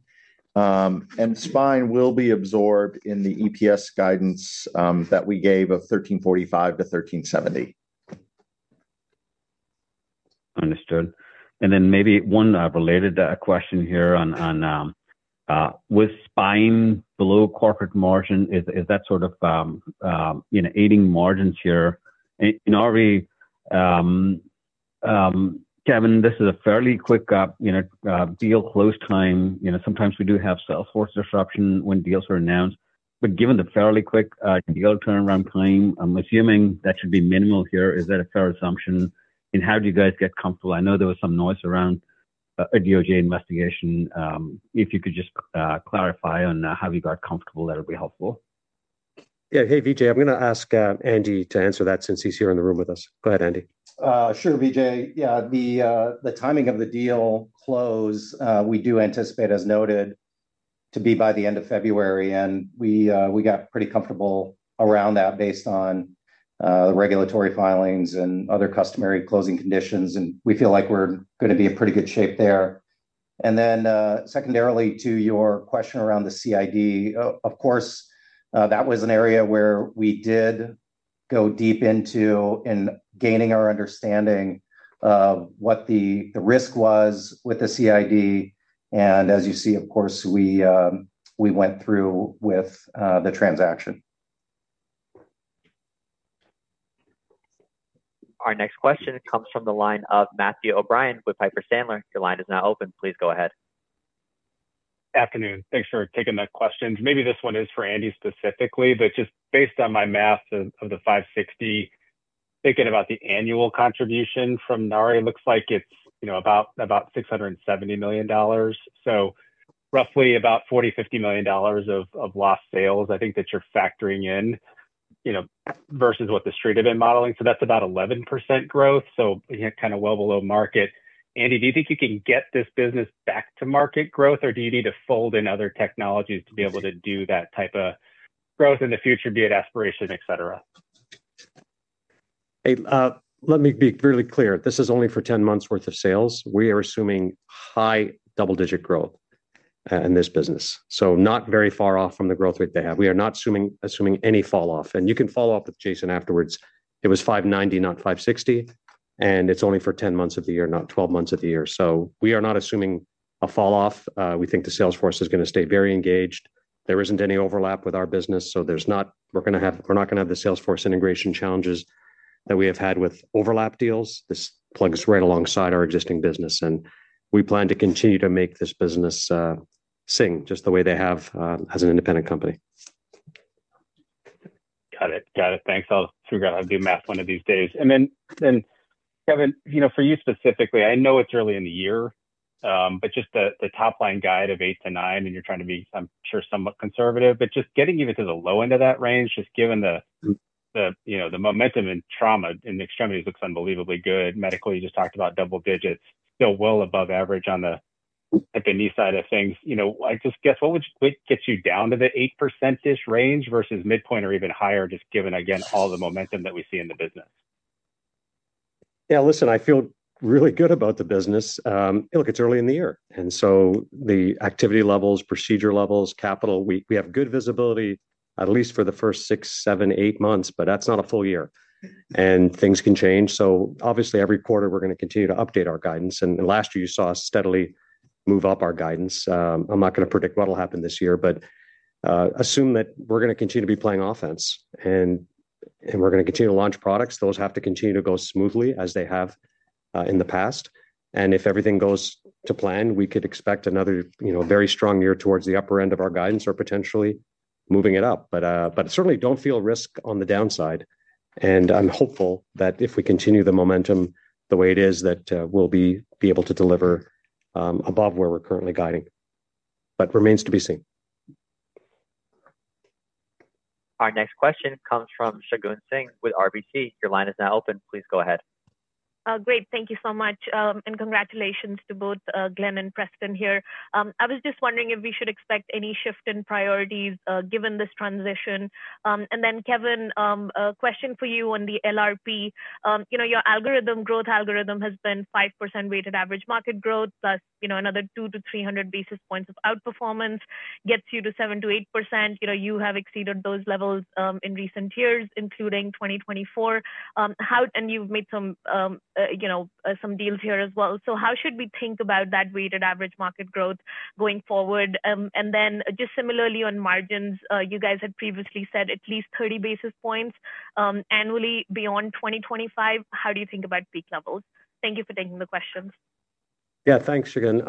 And spine will be absorbed in the EPS guidance that we gave of $13.45-$13.70. Understood. And then maybe one related question here on with spine below corporate margin, is that sort of aiding margins here? Inari, Kevin, this is a fairly quick deal close time. Sometimes we do have sales force disruption when deals are announced. But given the fairly quick deal turnaround time, I'm assuming that should be minimal here. Is that a fair assumption? And how did you guys get comfortable? I know there was some noise around a DOJ investigation. If you could just clarify on how you got comfortable, that would be helpful. Yeah. Hey, Vijay, I'm going to ask Andy to answer that since he's here in the room with us. Go ahead, Andy. Sure, Vijay. Yeah. The timing of the deal close, we do anticipate, as noted, to be by the end of February. And we got pretty comfortable around that based on the regulatory filings and other customary closing conditions. And we feel like we're going to be in pretty good shape there. Then secondarily to your question around the CID, of course, that was an area where we did go deep into and gaining our understanding of what the risk was with the CID. And as you see, of course, we went through with the transaction. Our next question comes from the line of Matthew O'Brien with Piper Sandler. Your line is now open. Please go ahead. Afternoon. Thanks for taking that question. Maybe this one is for Andy specifically, but just based on my math of the 560, thinking about the annual contribution from Inari, it looks like it's about $670 million. So roughly about $40-$50 million of lost sales, I think that you're factoring in versus what the Street had been modeling. So that's about 11% growth. So kind of well below market. Andy, do you think you can get this business back to market growth, or do you need to fold in other technologies to be able to do that type of growth in the future, be it aspiration, etc.? Hey, let me be really clear. This is only for 10 months' worth of sales. We are assuming high double-digit growth in this business. So not very far off from the growth rate they have. We are not assuming any falloff. And you can follow up with Jason afterwards. It was 590, not 560. And it's only for 10 months of the year, not 12 months of the year. So we are not assuming a falloff. We think the sales force is going to stay very engaged. There isn't any overlap with our business. So we're not going to have the sales force integration challenges that we have had with overlap deals. This plugs right alongside our existing business. And we plan to continue to make this business sing just the way they have as an independent company. Got it. Got it. Thanks. I'll figure out how to do math one of these days. And then, Kevin, for you specifically, I know it's early in the year, but just the top line guide of 8%-9%, and you're trying to be, I'm sure, somewhat conservative. But just getting even to the low end of that range, just given the momentum and trauma in the extremities looks unbelievably good. MedSurg, you just talked about double digits, still well above average on the knee side of things. I just guess, what would get you down to the 8%-ish range versus midpoint or even higher, just given, again, all the momentum that we see in the business? Yeah. Listen, I feel really good about the business. Look, it's early in the year. And so the activity levels, procedure levels, capital, we have good visibility, at least for the first six, seven, eight months, but that's not a full year. And things can change. So obviously, every quarter, we're going to continue to update our guidance. And last year, you saw us steadily move up our guidance. I'm not going to predict what will happen this year, but assume that we're going to continue to be playing offense. And we're going to continue to launch products. Those have to continue to go smoothly as they have in the past. And if everything goes to plan, we could expect another very strong year towards the upper end of our guidance or potentially moving it up. But certainly, don't feel risk on the downside. And I'm hopeful that if we continue the momentum the way it is, that we'll be able to deliver above where we're currently guiding. But remains to be seen. Our next question comes from Shagun Singh with RBC. Your line is now open. Please go ahead. Great. Thank you so much. And congratulations to both Glenn and Preston here. I was just wondering if we should expect any shift in priorities given this transition. And then, Kevin, a question for you on the LRP. Your algorithm, growth algorithm, has been 5% weighted average market growth, plus another 200-300 basis points of outperformance gets you to 7%-8%. You have exceeded those levels in recent years, including 2024. And you've made some deals here as well. So how should we think about that weighted average market growth going forward? And then just similarly on margins, you guys had previously said at least 30 basis points annually beyond 2025. How do you think about peak levels? Thank you for taking the questions. Yeah. Thanks, Shagun.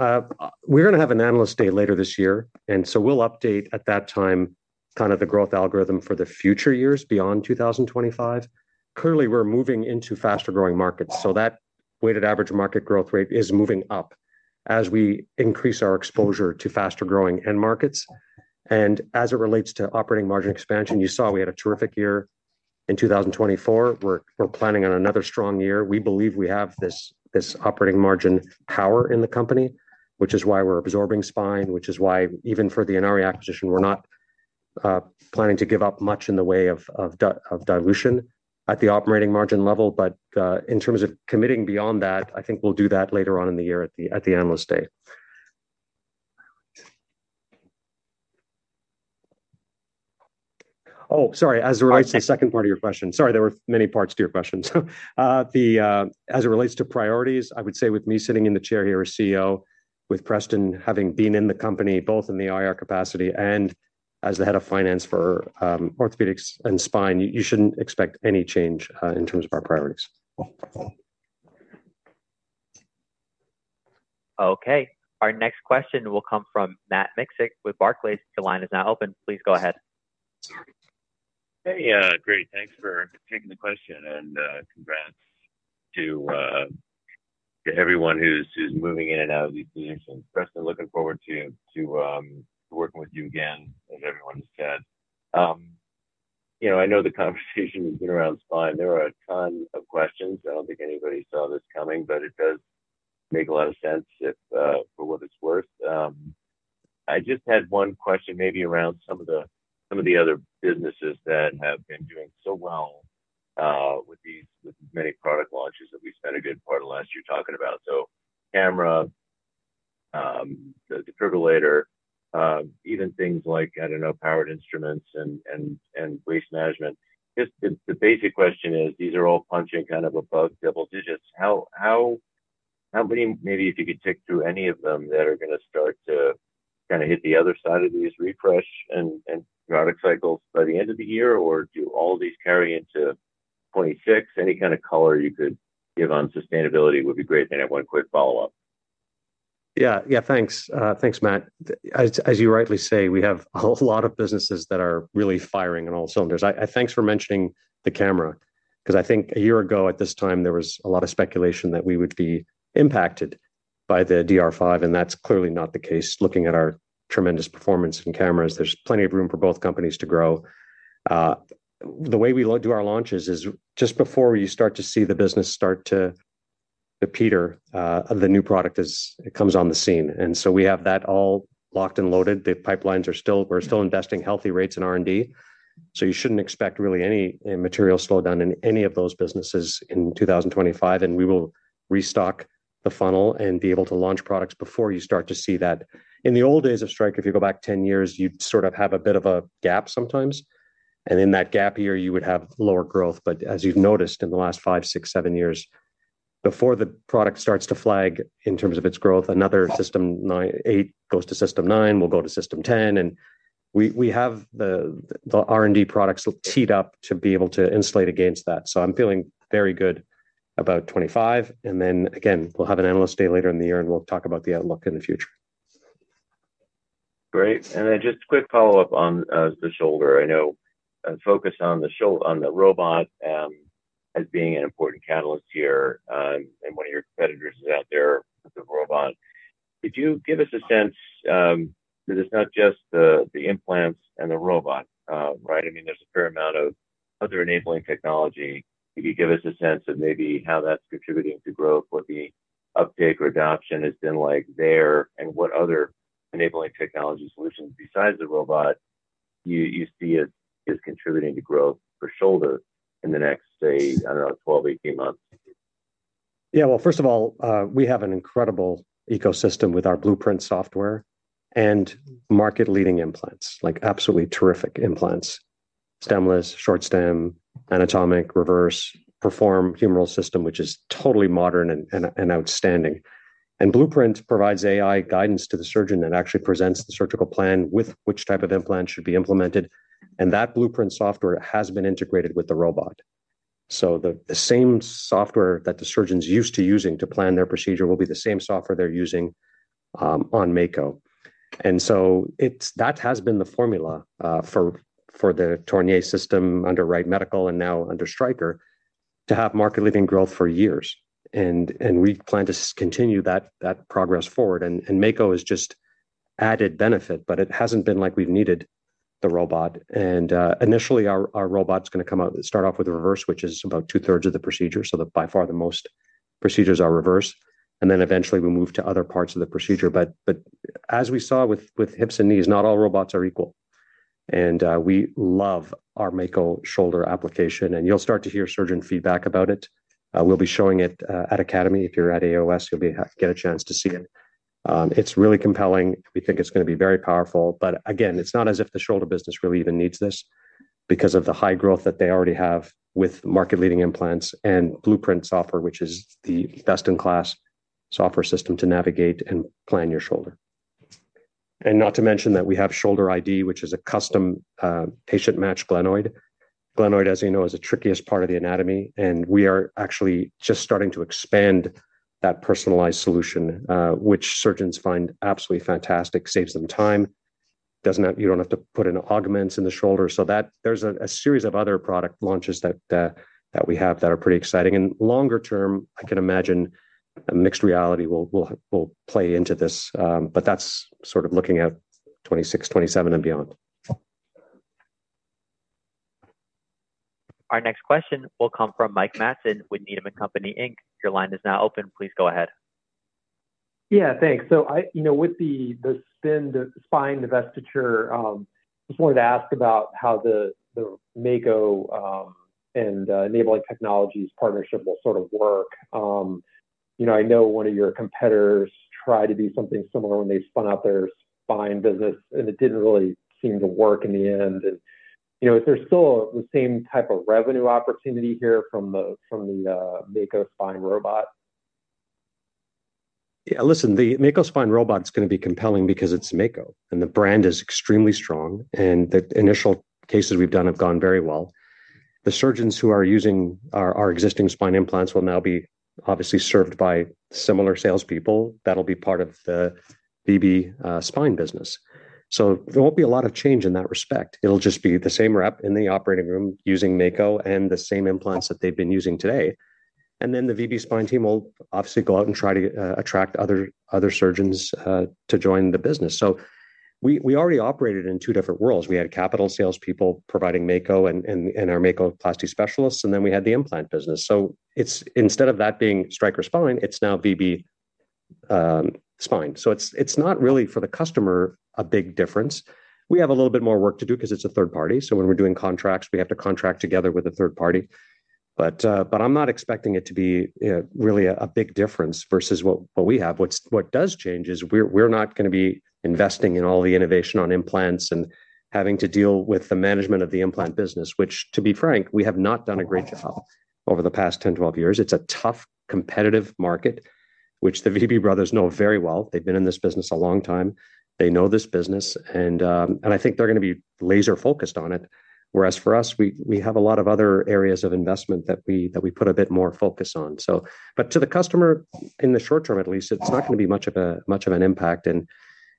We're going to have an analyst day later this year. And so we'll update at that time kind of the growth algorithm for the future years beyond 2025. Clearly, we're moving into faster-growing markets. So that weighted average market growth rate is moving up as we increase our exposure to faster-growing end markets. And as it relates to operating margin expansion, you saw we had a terrific year in 2024. We're planning on another strong year. We believe we have this operating margin power in the company, which is why we're absorbing spine, which is why even for the Inari acquisition, we're not planning to give up much in the way of dilution at the operating margin level. But in terms of committing beyond that, I think we'll do that later on in the year at the analyst day. Oh, sorry. As it relates to the second part of your question, sorry, there were many parts to your question. As it relates to priorities, I would say with me sitting in the chair here as CEO, with Preston having been in the company both in the IR capacity and as the head of finance for Orthopedics and Spine, you shouldn't expect any change in terms of our priorities. Okay. Our next question will come from Matt Miksic with Barclays. Your line is now open. Please go ahead. Hey, great. Thanks for taking the question. And congrats to everyone who's moving in and out of these positions. Preston, looking forward to working with you again, as everyone has said. I know the conversation has been around spine. There were a ton of questions. I don't think anybody saw this coming, but it does make a lot of sense for what it's worth. I just had one question maybe around some of the other businesses that have been doing so well with these many product launches that we spent a good part of last year talking about. So camera, the insufflator, even things like, I don't know, powered instruments and waste management. Just the basic question is, these are all punching kind of above double digits. How many, maybe if you could tick through any of them that are going to start to kind of hit the other side of these refresh and product cycles by the end of the year? Or do all these carry into 2026? Any kind of color you could give on sustainability would be great. And I have one quick follow-up. Yeah. Yeah. Thanks. Thanks, Matt. As you rightly say, we have a lot of businesses that are really firing on all cylinders. Thanks for mentioning the camera. Because I think a year ago at this time, there was a lot of speculation that we would be impacted by the DR5. And that's clearly not the case. Looking at our tremendous performance in cameras, there's plenty of room for both companies to grow. The way we do our launches is just before you start to see the business start to peter out of the new product as it comes on the scene. And so we have that all locked and loaded. The pipelines are still. We're still investing healthy rates in R&D. So you shouldn't expect really any material slowdown in any of those businesses in 2025. And we will restock the funnel and be able to launch products before you start to see that. In the old days of Stryker, if you go back 10 years, you'd sort of have a bit of a gap sometimes. And in that gap year, you would have lower growth. But as you've noticed in the last five, six, seven years, before the product starts to flag in terms of its growth, another System 8 goes to System 9, will go to System 10. We have the R&D products teed up to be able to insulate against that. So I'm feeling very good about 2025. And then, again, we'll have an analyst day later in the year, and we'll talk about the outlook in the future. Great. And then just a quick follow-up on the shoulder. I know focus on the robot as being an important catalyst here. And one of your competitors is out there with the robot. Could you give us a sense because it's not just the implants and the robot, right? I mean, there's a fair amount of other enabling technology. Could you give us a sense of maybe how that's contributing to growth? What the uptake or adoption has been like there and what other enabling technology solutions besides the robot you see as contributing to growth for shoulder in the next, say, I don't know, 12-18 months? Yeah, well, first of all, we have an incredible ecosystem with our Blueprint software and market-leading implants, like absolutely terrific implants, stemless, short stem, anatomic, reverse, perform humeral system, which is totally modern and outstanding. And Blueprint provides AI guidance to the surgeon that actually presents the surgical plan with which type of implant should be implemented. And that Blueprint software has been integrated with the robot. So the same software that the surgeons used to using to plan their procedure will be the same software they're using on Mako. And so that has been the formula for the Tornier system under Wright Medical and now under Stryker to have market-leading growth for years. And we plan to continue that progress forward. And Mako is just an added benefit, but it hasn't been like we've needed the robot. And initially, our robot's going to start off with reverse, which is about two-thirds of the procedure. So by far, the most procedures are reverse. And then eventually, we move to other parts of the procedure. But as we saw with hips and knees, not all robots are equal. And we love our Mako Shoulder application. And you'll start to hear surgeon feedback about it. We'll be showing it at AAOS. If you're at AAOS, you'll get a chance to see it. It's really compelling. We think it's going to be very powerful. But again, it's not as if the shoulder business really even needs this because of the high growth that they already have with market-leading implants and Blueprint software, which is the best-in-class software system to navigate and plan your shoulder. And not to mention that we have Shoulder iD, which is a custom patient-matched glenoid. Glenoid, as you know, is the trickiest part of the anatomy. And we are actually just starting to expand that personalized solution, which surgeons find absolutely fantastic, saves them time. You don't have to put in augments in the shoulder. So there's a series of other product launches that we have that are pretty exciting. And longer term, I can imagine mixed reality will play into this. But that's sort of looking at 2026, 2027, and beyond. Our next question will come from Mike Matson with Needham & Company, Inc. Your line is now open. Please go ahead. Yeah. Thanks. So with the spine, the divestiture, I just wanted to ask about how the Mako and enabling technologies partnership will sort of work. I know one of your competitors tried to do something similar when they spun out their spine business, and it didn't really seem to work in the end. And is there still the same type of revenue opportunity here from the Mako spine robot? Yeah. Listen, the Mako spine robot's going to be compelling because it's Mako. And the brand is extremely strong. And the initial cases we've done have gone very well. The surgeons who are using our existing spine implants will now be obviously served by similar salespeople that'll be part of the VB Spine business. So there won't be a lot of change in that respect. It'll just be the same rep in the operating room using Mako and the same implants that they've been using today, and then the VB Spine team will obviously go out and try to attract other surgeons to join the business, so we already operated in two different worlds. We had capital salespeople providing Mako and our Makoplasty specialists, and then we had the implant business, so instead of that being Stryker Spine, it's now VB Spine, so it's not really for the customer a big difference. We have a little bit more work to do because it's a third party, so when we're doing contracts, we have to contract together with a third party, but I'm not expecting it to be really a big difference versus what we have. What does change is we're not going to be investing in all the innovation on implants and having to deal with the management of the implant business, which, to be frank, we have not done a great job over the past 10, 12 years. It's a tough competitive market, which the VB brothers know very well. They've been in this business a long time. They know this business. And I think they're going to be laser-focused on it. Whereas for us, we have a lot of other areas of investment that we put a bit more focus on. But to the customer, in the short term at least, it's not going to be much of an impact. And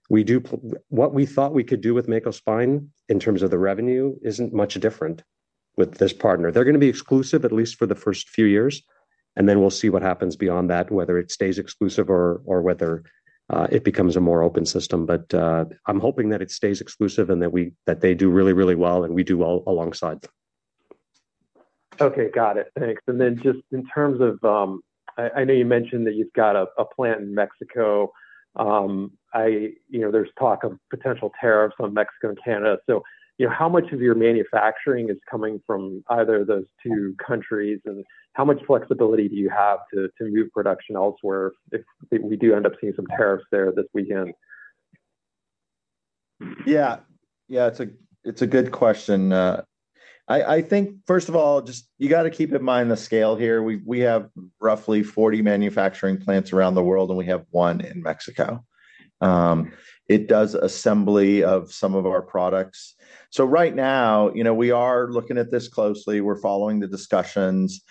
what we thought we could do with Mako spine in terms of the revenue isn't much different with this partner. They're going to be exclusive at least for the first few years. And then we'll see what happens beyond that, whether it stays exclusive or whether it becomes a more open system. But I'm hoping that it stays exclusive and that they do really, really well and we do well alongside. Okay. Got it. Thanks. And then just in terms of, I know you mentioned that you've got a plant in Mexico. There's talk of potential tariffs on Mexico and Canada. So how much of your manufacturing is coming from either of those two countries? And how much flexibility do you have to move production elsewhere if we do end up seeing some tariffs there this weekend? Yeah. Yeah. It's a good question. I think, first of all, just you got to keep in mind the scale here. We have roughly 40 manufacturing plants around the world, and we have one in Mexico. It does assembly of some of our products. So right now, we are looking at this closely. We're following the discussions.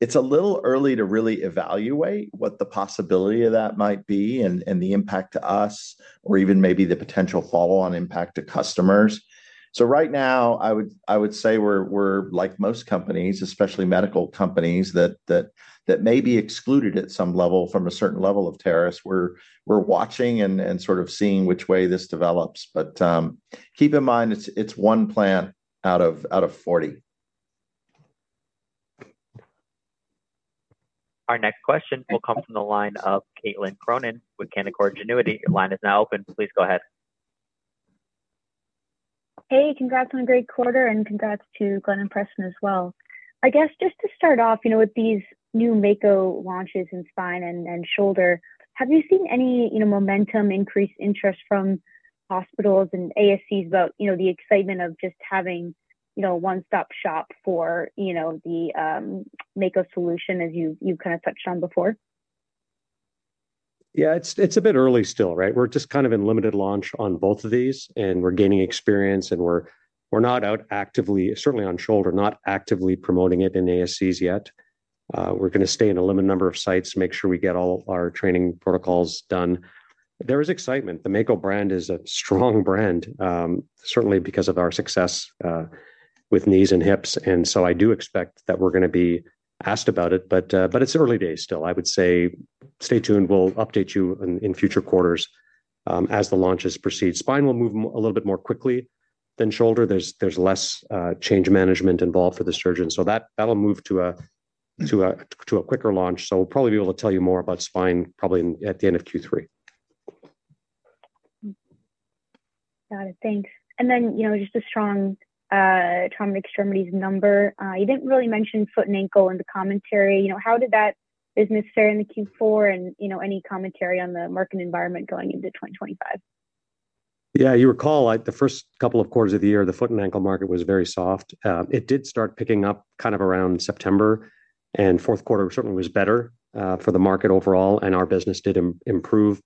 It's a little early to really evaluate what the possibility of that might be and the impact to us or even maybe the potential follow-on impact to customers. So right now, I would say we're, like most companies, especially medical companies, that may be excluded at some level from a certain level of tariffs. We're watching and sort of seeing which way this develops. But keep in mind, it's one plant out of 40. Our next question will come from the line of Caitlin Cronin with Canaccord Genuity. Your line is now open. Please go ahead. Hey, congrats on a great quarter and congrats to Glenn and Preston as well. I guess just to start off with these new Mako launches in spine and shoulder, have you seen any momentum increase interest from hospitals and ASCs about the excitement of just having a one-stop shop for the Mako solution, as you've kind of touched on before? Yeah. It's a bit early still, right? We're just kind of in limited launch on both of these. And we're gaining experience. And we're not out actively, certainly on shoulder, not actively promoting it in ASCs yet. We're going to stay in a limited number of sites to make sure we get all our training protocols done. There is excitement. The Mako brand is a strong brand, certainly because of our success with knees and hips. And so I do expect that we're going to be asked about it. But it's early days still. I would say stay tuned. We'll update you in future quarters as the launches proceed. Spine will move a little bit more quickly than shoulder. There's less change management involved for the surgeon. So that'll move to a quicker launch. So we'll probably be able to tell you more about spine probably at the end of Q3. Got it. Thanks. And then just a strong trauma extremities number. You didn't really mention foot and ankle in the commentary. How did that business fare in the Q4 and any commentary on the market environment going into 2025? Yeah. You recall, the first couple of quarters of the year, the foot and ankle market was very soft. It did start picking up kind of around September, and fourth quarter certainly was better for the market overall, and our business did improve.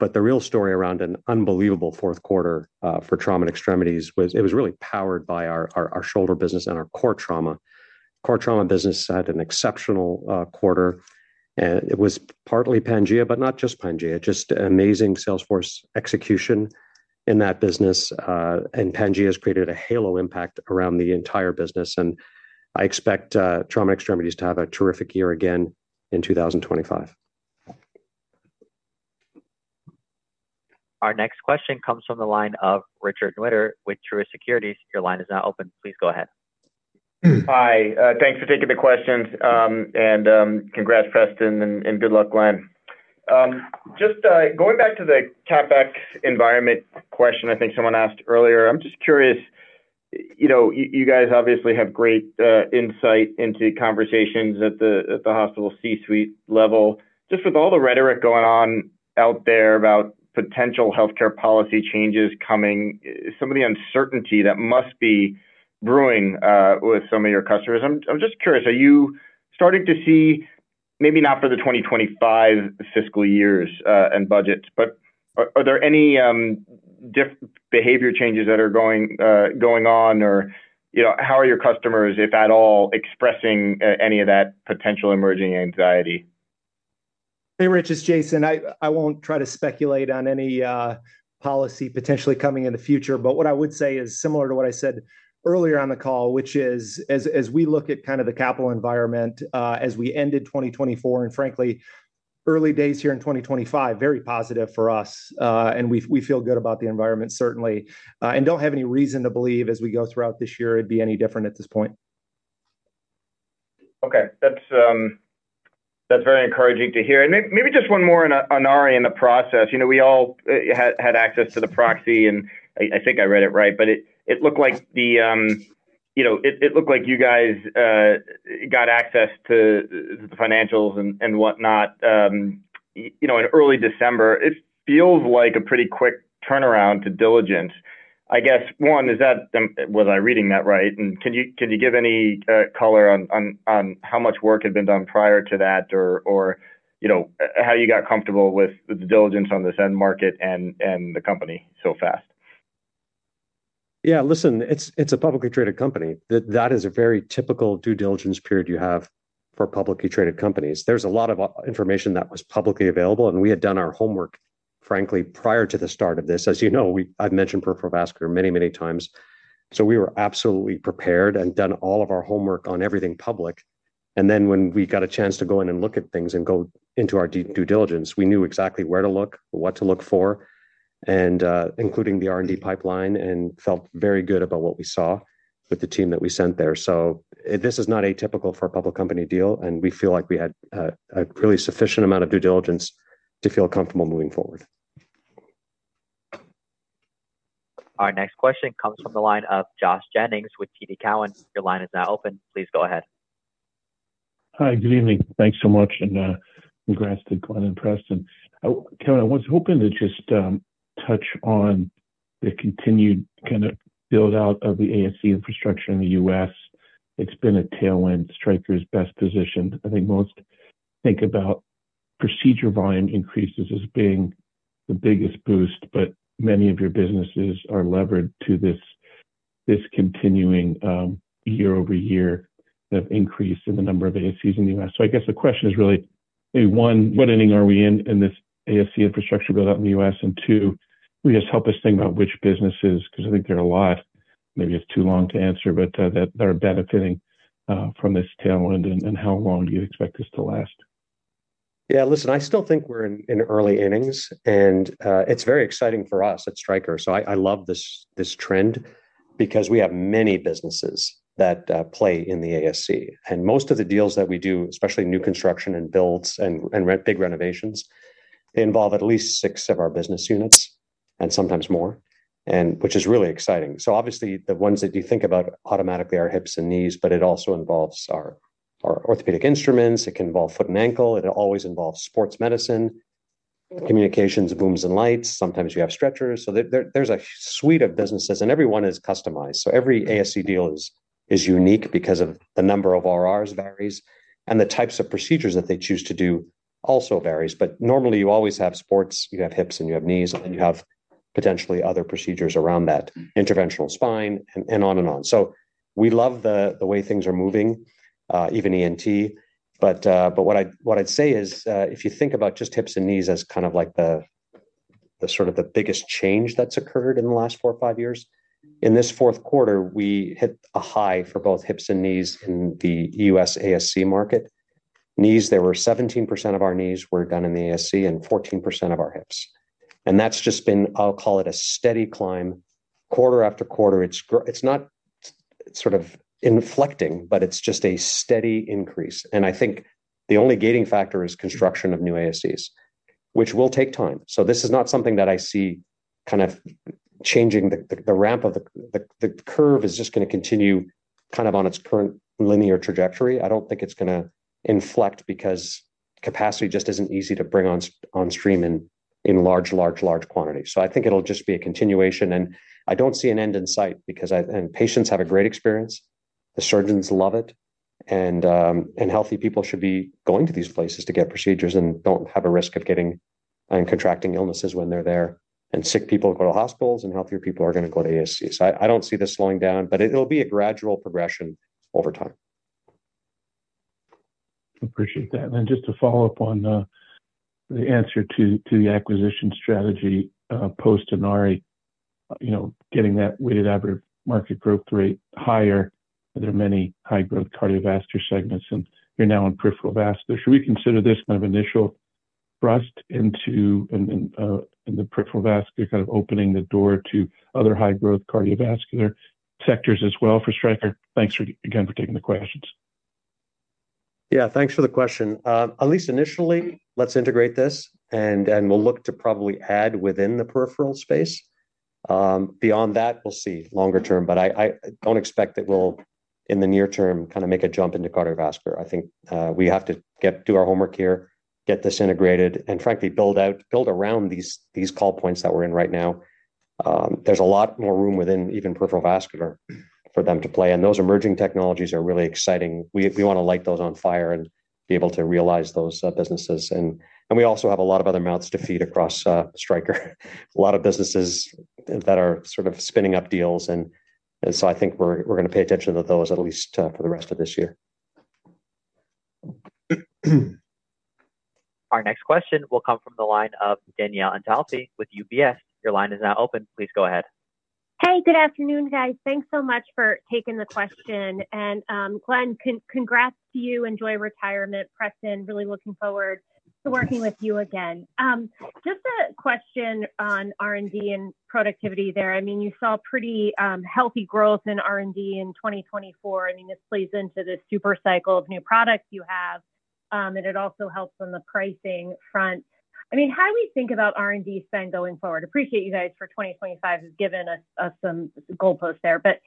But the real story around an unbelievable fourth quarter for trauma extremities, it was really powered by our shoulder business and our core trauma. Core trauma business had an exceptional quarter. And it was partly Pangea, but not just Pangea, just amazing sales force execution in that business. And Pangea has created a halo impact around the entire business. And I expect trauma extremities to have a terrific year again in 2025. Our next question comes from the line of Richard Newitter with Truist Securities. Your line is now open. Please go ahead. Hi. Thanks for taking the questions and congrats, Preston, and good luck, Glenn. Just going back to the CapEx environment question, I think someone asked earlier. I'm just curious. You guys obviously have great insight into conversations at the hospital C-suite level. Just with all the rhetoric going on out there about potential healthcare policy changes coming, some of the uncertainty that must be brewing with some of your customers. I'm just curious. Are you starting to see maybe not for the 2025 fiscal years and budgets, but are there any different behavior changes that are going on? Or how are your customers, if at all, expressing any of that potential emerging anxiety? Hey, Rich, it's Jason. I won't try to speculate on any policy potentially coming in the future. But what I would say is similar to what I said earlier on the call, which is, as we look at kind of the capital environment as we ended 2024 and, frankly, early days here in 2025, very positive for us. We feel good about the environment, certainly, and don't have any reason to believe as we go throughout this year it'd be any different at this point. Okay. That's very encouraging to hear. And maybe just one more on our end of process. We all had access to the proxy, and I think I read it right. But it looked like you guys got access to the financials and whatnot in early December. It feels like a pretty quick turnaround to diligence. I guess, one, was I reading that right? And can you give any color on how much work had been done prior to that or how you got comfortable with the diligence on this end market and the company so fast? Yeah. Listen, it's a publicly traded company. That is a very typical due diligence period you have for publicly traded companies. There's a lot of information that was publicly available. And we had done our homework, frankly, prior to the start of this. As you know, I've mentioned peripheral vascular many, many times. So we were absolutely prepared and done all of our homework on everything public. And then when we got a chance to go in and look at things and go into our due diligence, we knew exactly where to look, what to look for, including the R&D pipeline, and felt very good about what we saw with the team that we sent there. So this is not atypical for a public company deal. And we feel like we had a really sufficient amount of due diligence to feel comfortable moving forward. Our next question comes from the line of Josh Jennings with TD Cowen. Your line is now open. Please go ahead. Hi. Good evening. Thanks so much. And congrats to Glenn and Preston. Kevin, I was hoping to just touch on the continued kind of build-out of the ASC infrastructure in the U.S. It's been a tailwind, Stryker's best positioned. I think most think about procedure volume increases as being the biggest boost. But many of your businesses are levered to this continuing year-over-year increase in the number of ASCs in the U.S. So I guess the question is really, maybe one, what ending are we in in this ASC infrastructure build-out in the U.S.? And two, just help us think about which businesses, because I think there are a lot, maybe it's too long to answer, but that are benefiting from this tailwind, and how long do you expect this to last? Yeah. Listen, I still think we're in early innings. And it's very exciting for us at Stryker. I love this trend because we have many businesses that play in the ASC. And most of the deals that we do, especially new construction and builds and big renovations, involve at least six of our business units and sometimes more, which is really exciting. Obviously, the ones that you think about automatically are hips and knees, but it also involves our Orthopedic instruments. It can involve foot and ankle. It always involves sports medicine, communications, booms and lights. Sometimes you have stretchers. There's a suite of businesses, and everyone is customized. Every ASC deal is unique because the number of RRs varies, and the types of procedures that they choose to do also varies. Normally, you always have sports. You have hips, and you have knees, and then you have potentially other procedures around that Interventional Spine and on and on. We love the way things are moving, even ENT. But what I'd say is, if you think about just hips and knees as kind of like the sort of the biggest change that's occurred in the last four or five years, in this fourth quarter, we hit a high for both hips and knees in the U.S. ASC market. Knees, there were 17% of our knees were done in the ASC and 14% of our hips. And that's just been, I'll call it a steady climb quarter after quarter. It's not sort of inflecting, but it's just a steady increase. And I think the only gating factor is construction of new ASCs, which will take time. This is not something that I see kind of changing the ramp of the curve, is just going to continue kind of on its current linear trajectory. I don't think it's going to inflect because capacity just isn't easy to bring on stream in large, large, large quantity. So I think it'll just be a continuation. And I don't see an end in sight because patients have a great experience. The surgeons love it. And healthy people should be going to these places to get procedures and don't have a risk of getting and contracting illnesses when they're there. And sick people go to hospitals, and healthier people are going to go to ASC. So I don't see this slowing down, but it'll be a gradual progression over time. Appreciate that. And then just to follow up on the answer to the acquisition strategy post-Inari, getting that weighted average market growth rate higher, there are many high-growth cardiovascular segments, and you're now in peripheral vascular. Should we consider this kind of initial thrust into the peripheral vascular kind of opening the door to other high-growth cardiovascular sectors as well for Stryker? Thanks again for taking the questions. Yeah. Thanks for the question. At least initially, let's integrate this, and we'll look to probably add within the peripheral space. Beyond that, we'll see longer term. But I don't expect that we'll, in the near term, kind of make a jump into cardiovascular. I think we have to do our homework here, get this integrated, and frankly, build around these call points that we're in right now. There's a lot more room within even peripheral vascular for them to play. And those emerging technologies are really exciting. We want to light those on fire and be able to realize those businesses. And we also have a lot of other mouths to feed across Stryker. A lot of businesses that are sort of spinning up deals. And so I think we're going to pay attention to those at least for the rest of this year. Our next question will come from the line of Danielle Antalffy with UBS. Your line is now open. Please go ahead. Hey, good afternoon, guys. Thanks so much for taking the question. And Glenn, congrats to you. Enjoy retirement, Preston. Really looking forward to working with you again. Just a question on R&D and productivity there. I mean, you saw pretty healthy growth in R&D in 2024. I mean, this plays into the super cycle of new products you have. And it also helps on the pricing front. I mean, how do we think about R&D spend going forward? Appreciate you guys for 2025. You've given us some goalposts there. But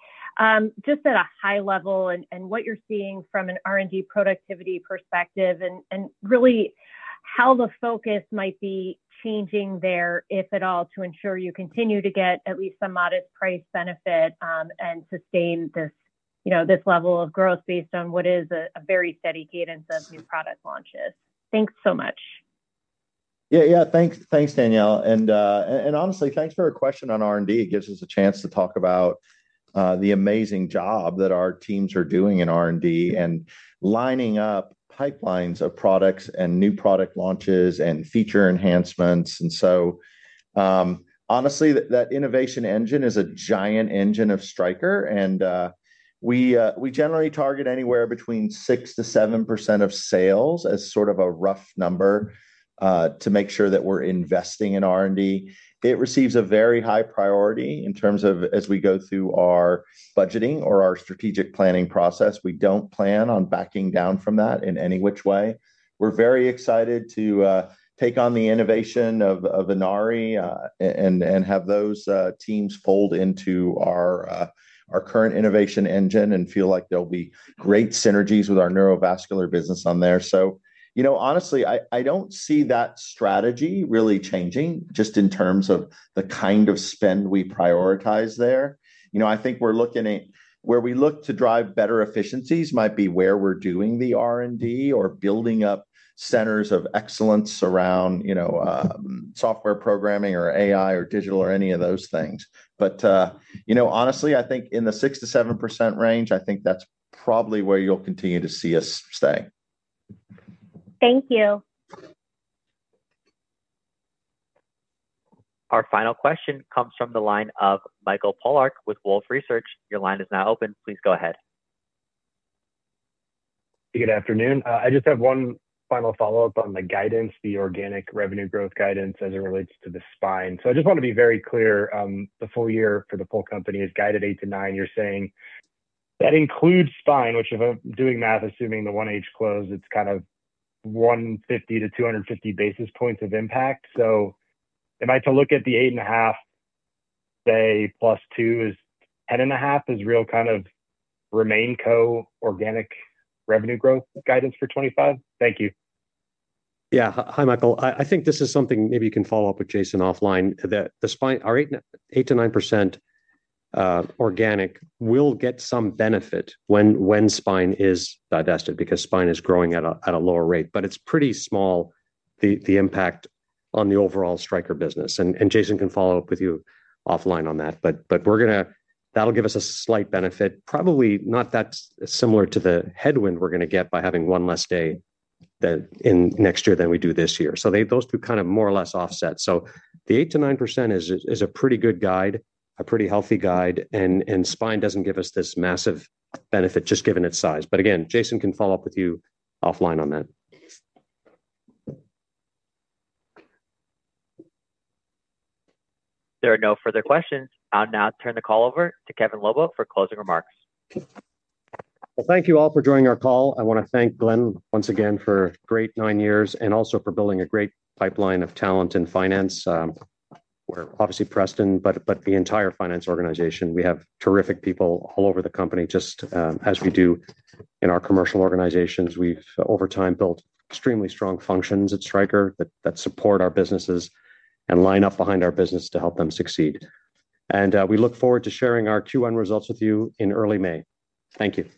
just at a high level, what you're seeing from an R&D productivity perspective and really how the focus might be changing there, if at all, to ensure you continue to get at least some modest price benefit and sustain this level of growth based on what is a very steady cadence of new product launches. Thanks so much. Yeah. Yeah. Thanks, Danielle. And honestly, thanks for your question on R&D. It gives us a chance to talk about the amazing job that our teams are doing in R&D and lining up pipelines of products and new product launches and feature enhancements. And so honestly, that innovation engine is a giant engine of Stryker. And we generally target anywhere between 6%-7% of sales as sort of a rough number to make sure that we're investing in R&D. It receives a very high priority in terms of as we go through our budgeting or our strategic planning process. We don't plan on backing down from that in any which way. We're very excited to take on the innovation of Inari and have those teams fold into our current innovation engine and feel like there'll be great synergies with our neurovascular business on there. So honestly, I don't see that strategy really changing just in terms of the kind of spend we prioritize there. I think we're looking at where we look to drive better efficiencies might be where we're doing the R&D or building up centers of excellence around software programming or AI or digital or any of those things. But honestly, I think in the 6%-7% range, I think that's probably where you'll continue to see us stay. Thank you. Our final question comes from the line of Michael Polark with Wolfe Research. Your line is now open. Please go ahead. Good afternoon. I just have one final follow-up on the guidance, the organic revenue growth guidance as it relates to the spine. So I just want to be very clear. The full year for the full company is guided 8% to 9%. You're saying that includes spine, which if I'm doing math, assuming the 1H close it's kind of 150 to 250 basis points of impact. So am I to look at the 8 and a half, say, plus 2 is 10 and a half as real kind of remaining core organic revenue growth guidance for 2025? Thank you. Yeah. Hi, Michael. I think this is something maybe you can follow up with Jason offline. The spine, our 8%-9% organic will get some benefit when spine is divested because spine is growing at a lower rate. But it's pretty small, the impact on the overall Stryker business. And Jason can follow up with you offline on that. But that'll give us a slight benefit, probably not that similar to the headwind we're going to get by having one less day in next year than we do this year. So those two kind of more or less offset. So the 8%-9% is a pretty good guide, a pretty healthy guide. And spine doesn't give us this massive benefit just given its size. But again, Jason can follow up with you offline on that. There are no further questions. I'll now turn the call over to Kevin Lobo for closing remarks. Well, thank you all for joining our call. I want to thank Glenn once again for great nine years and also for building a great pipeline of talent in finance. We're obviously Preston, but the entire finance organization. We have terrific people all over the company, just as we do in our commercial organizations. We've, over time, built extremely strong functions at Stryker that support our businesses and line up behind our business to help them succeed. And we look forward to sharing our Q1 results with you in early May. Thank you.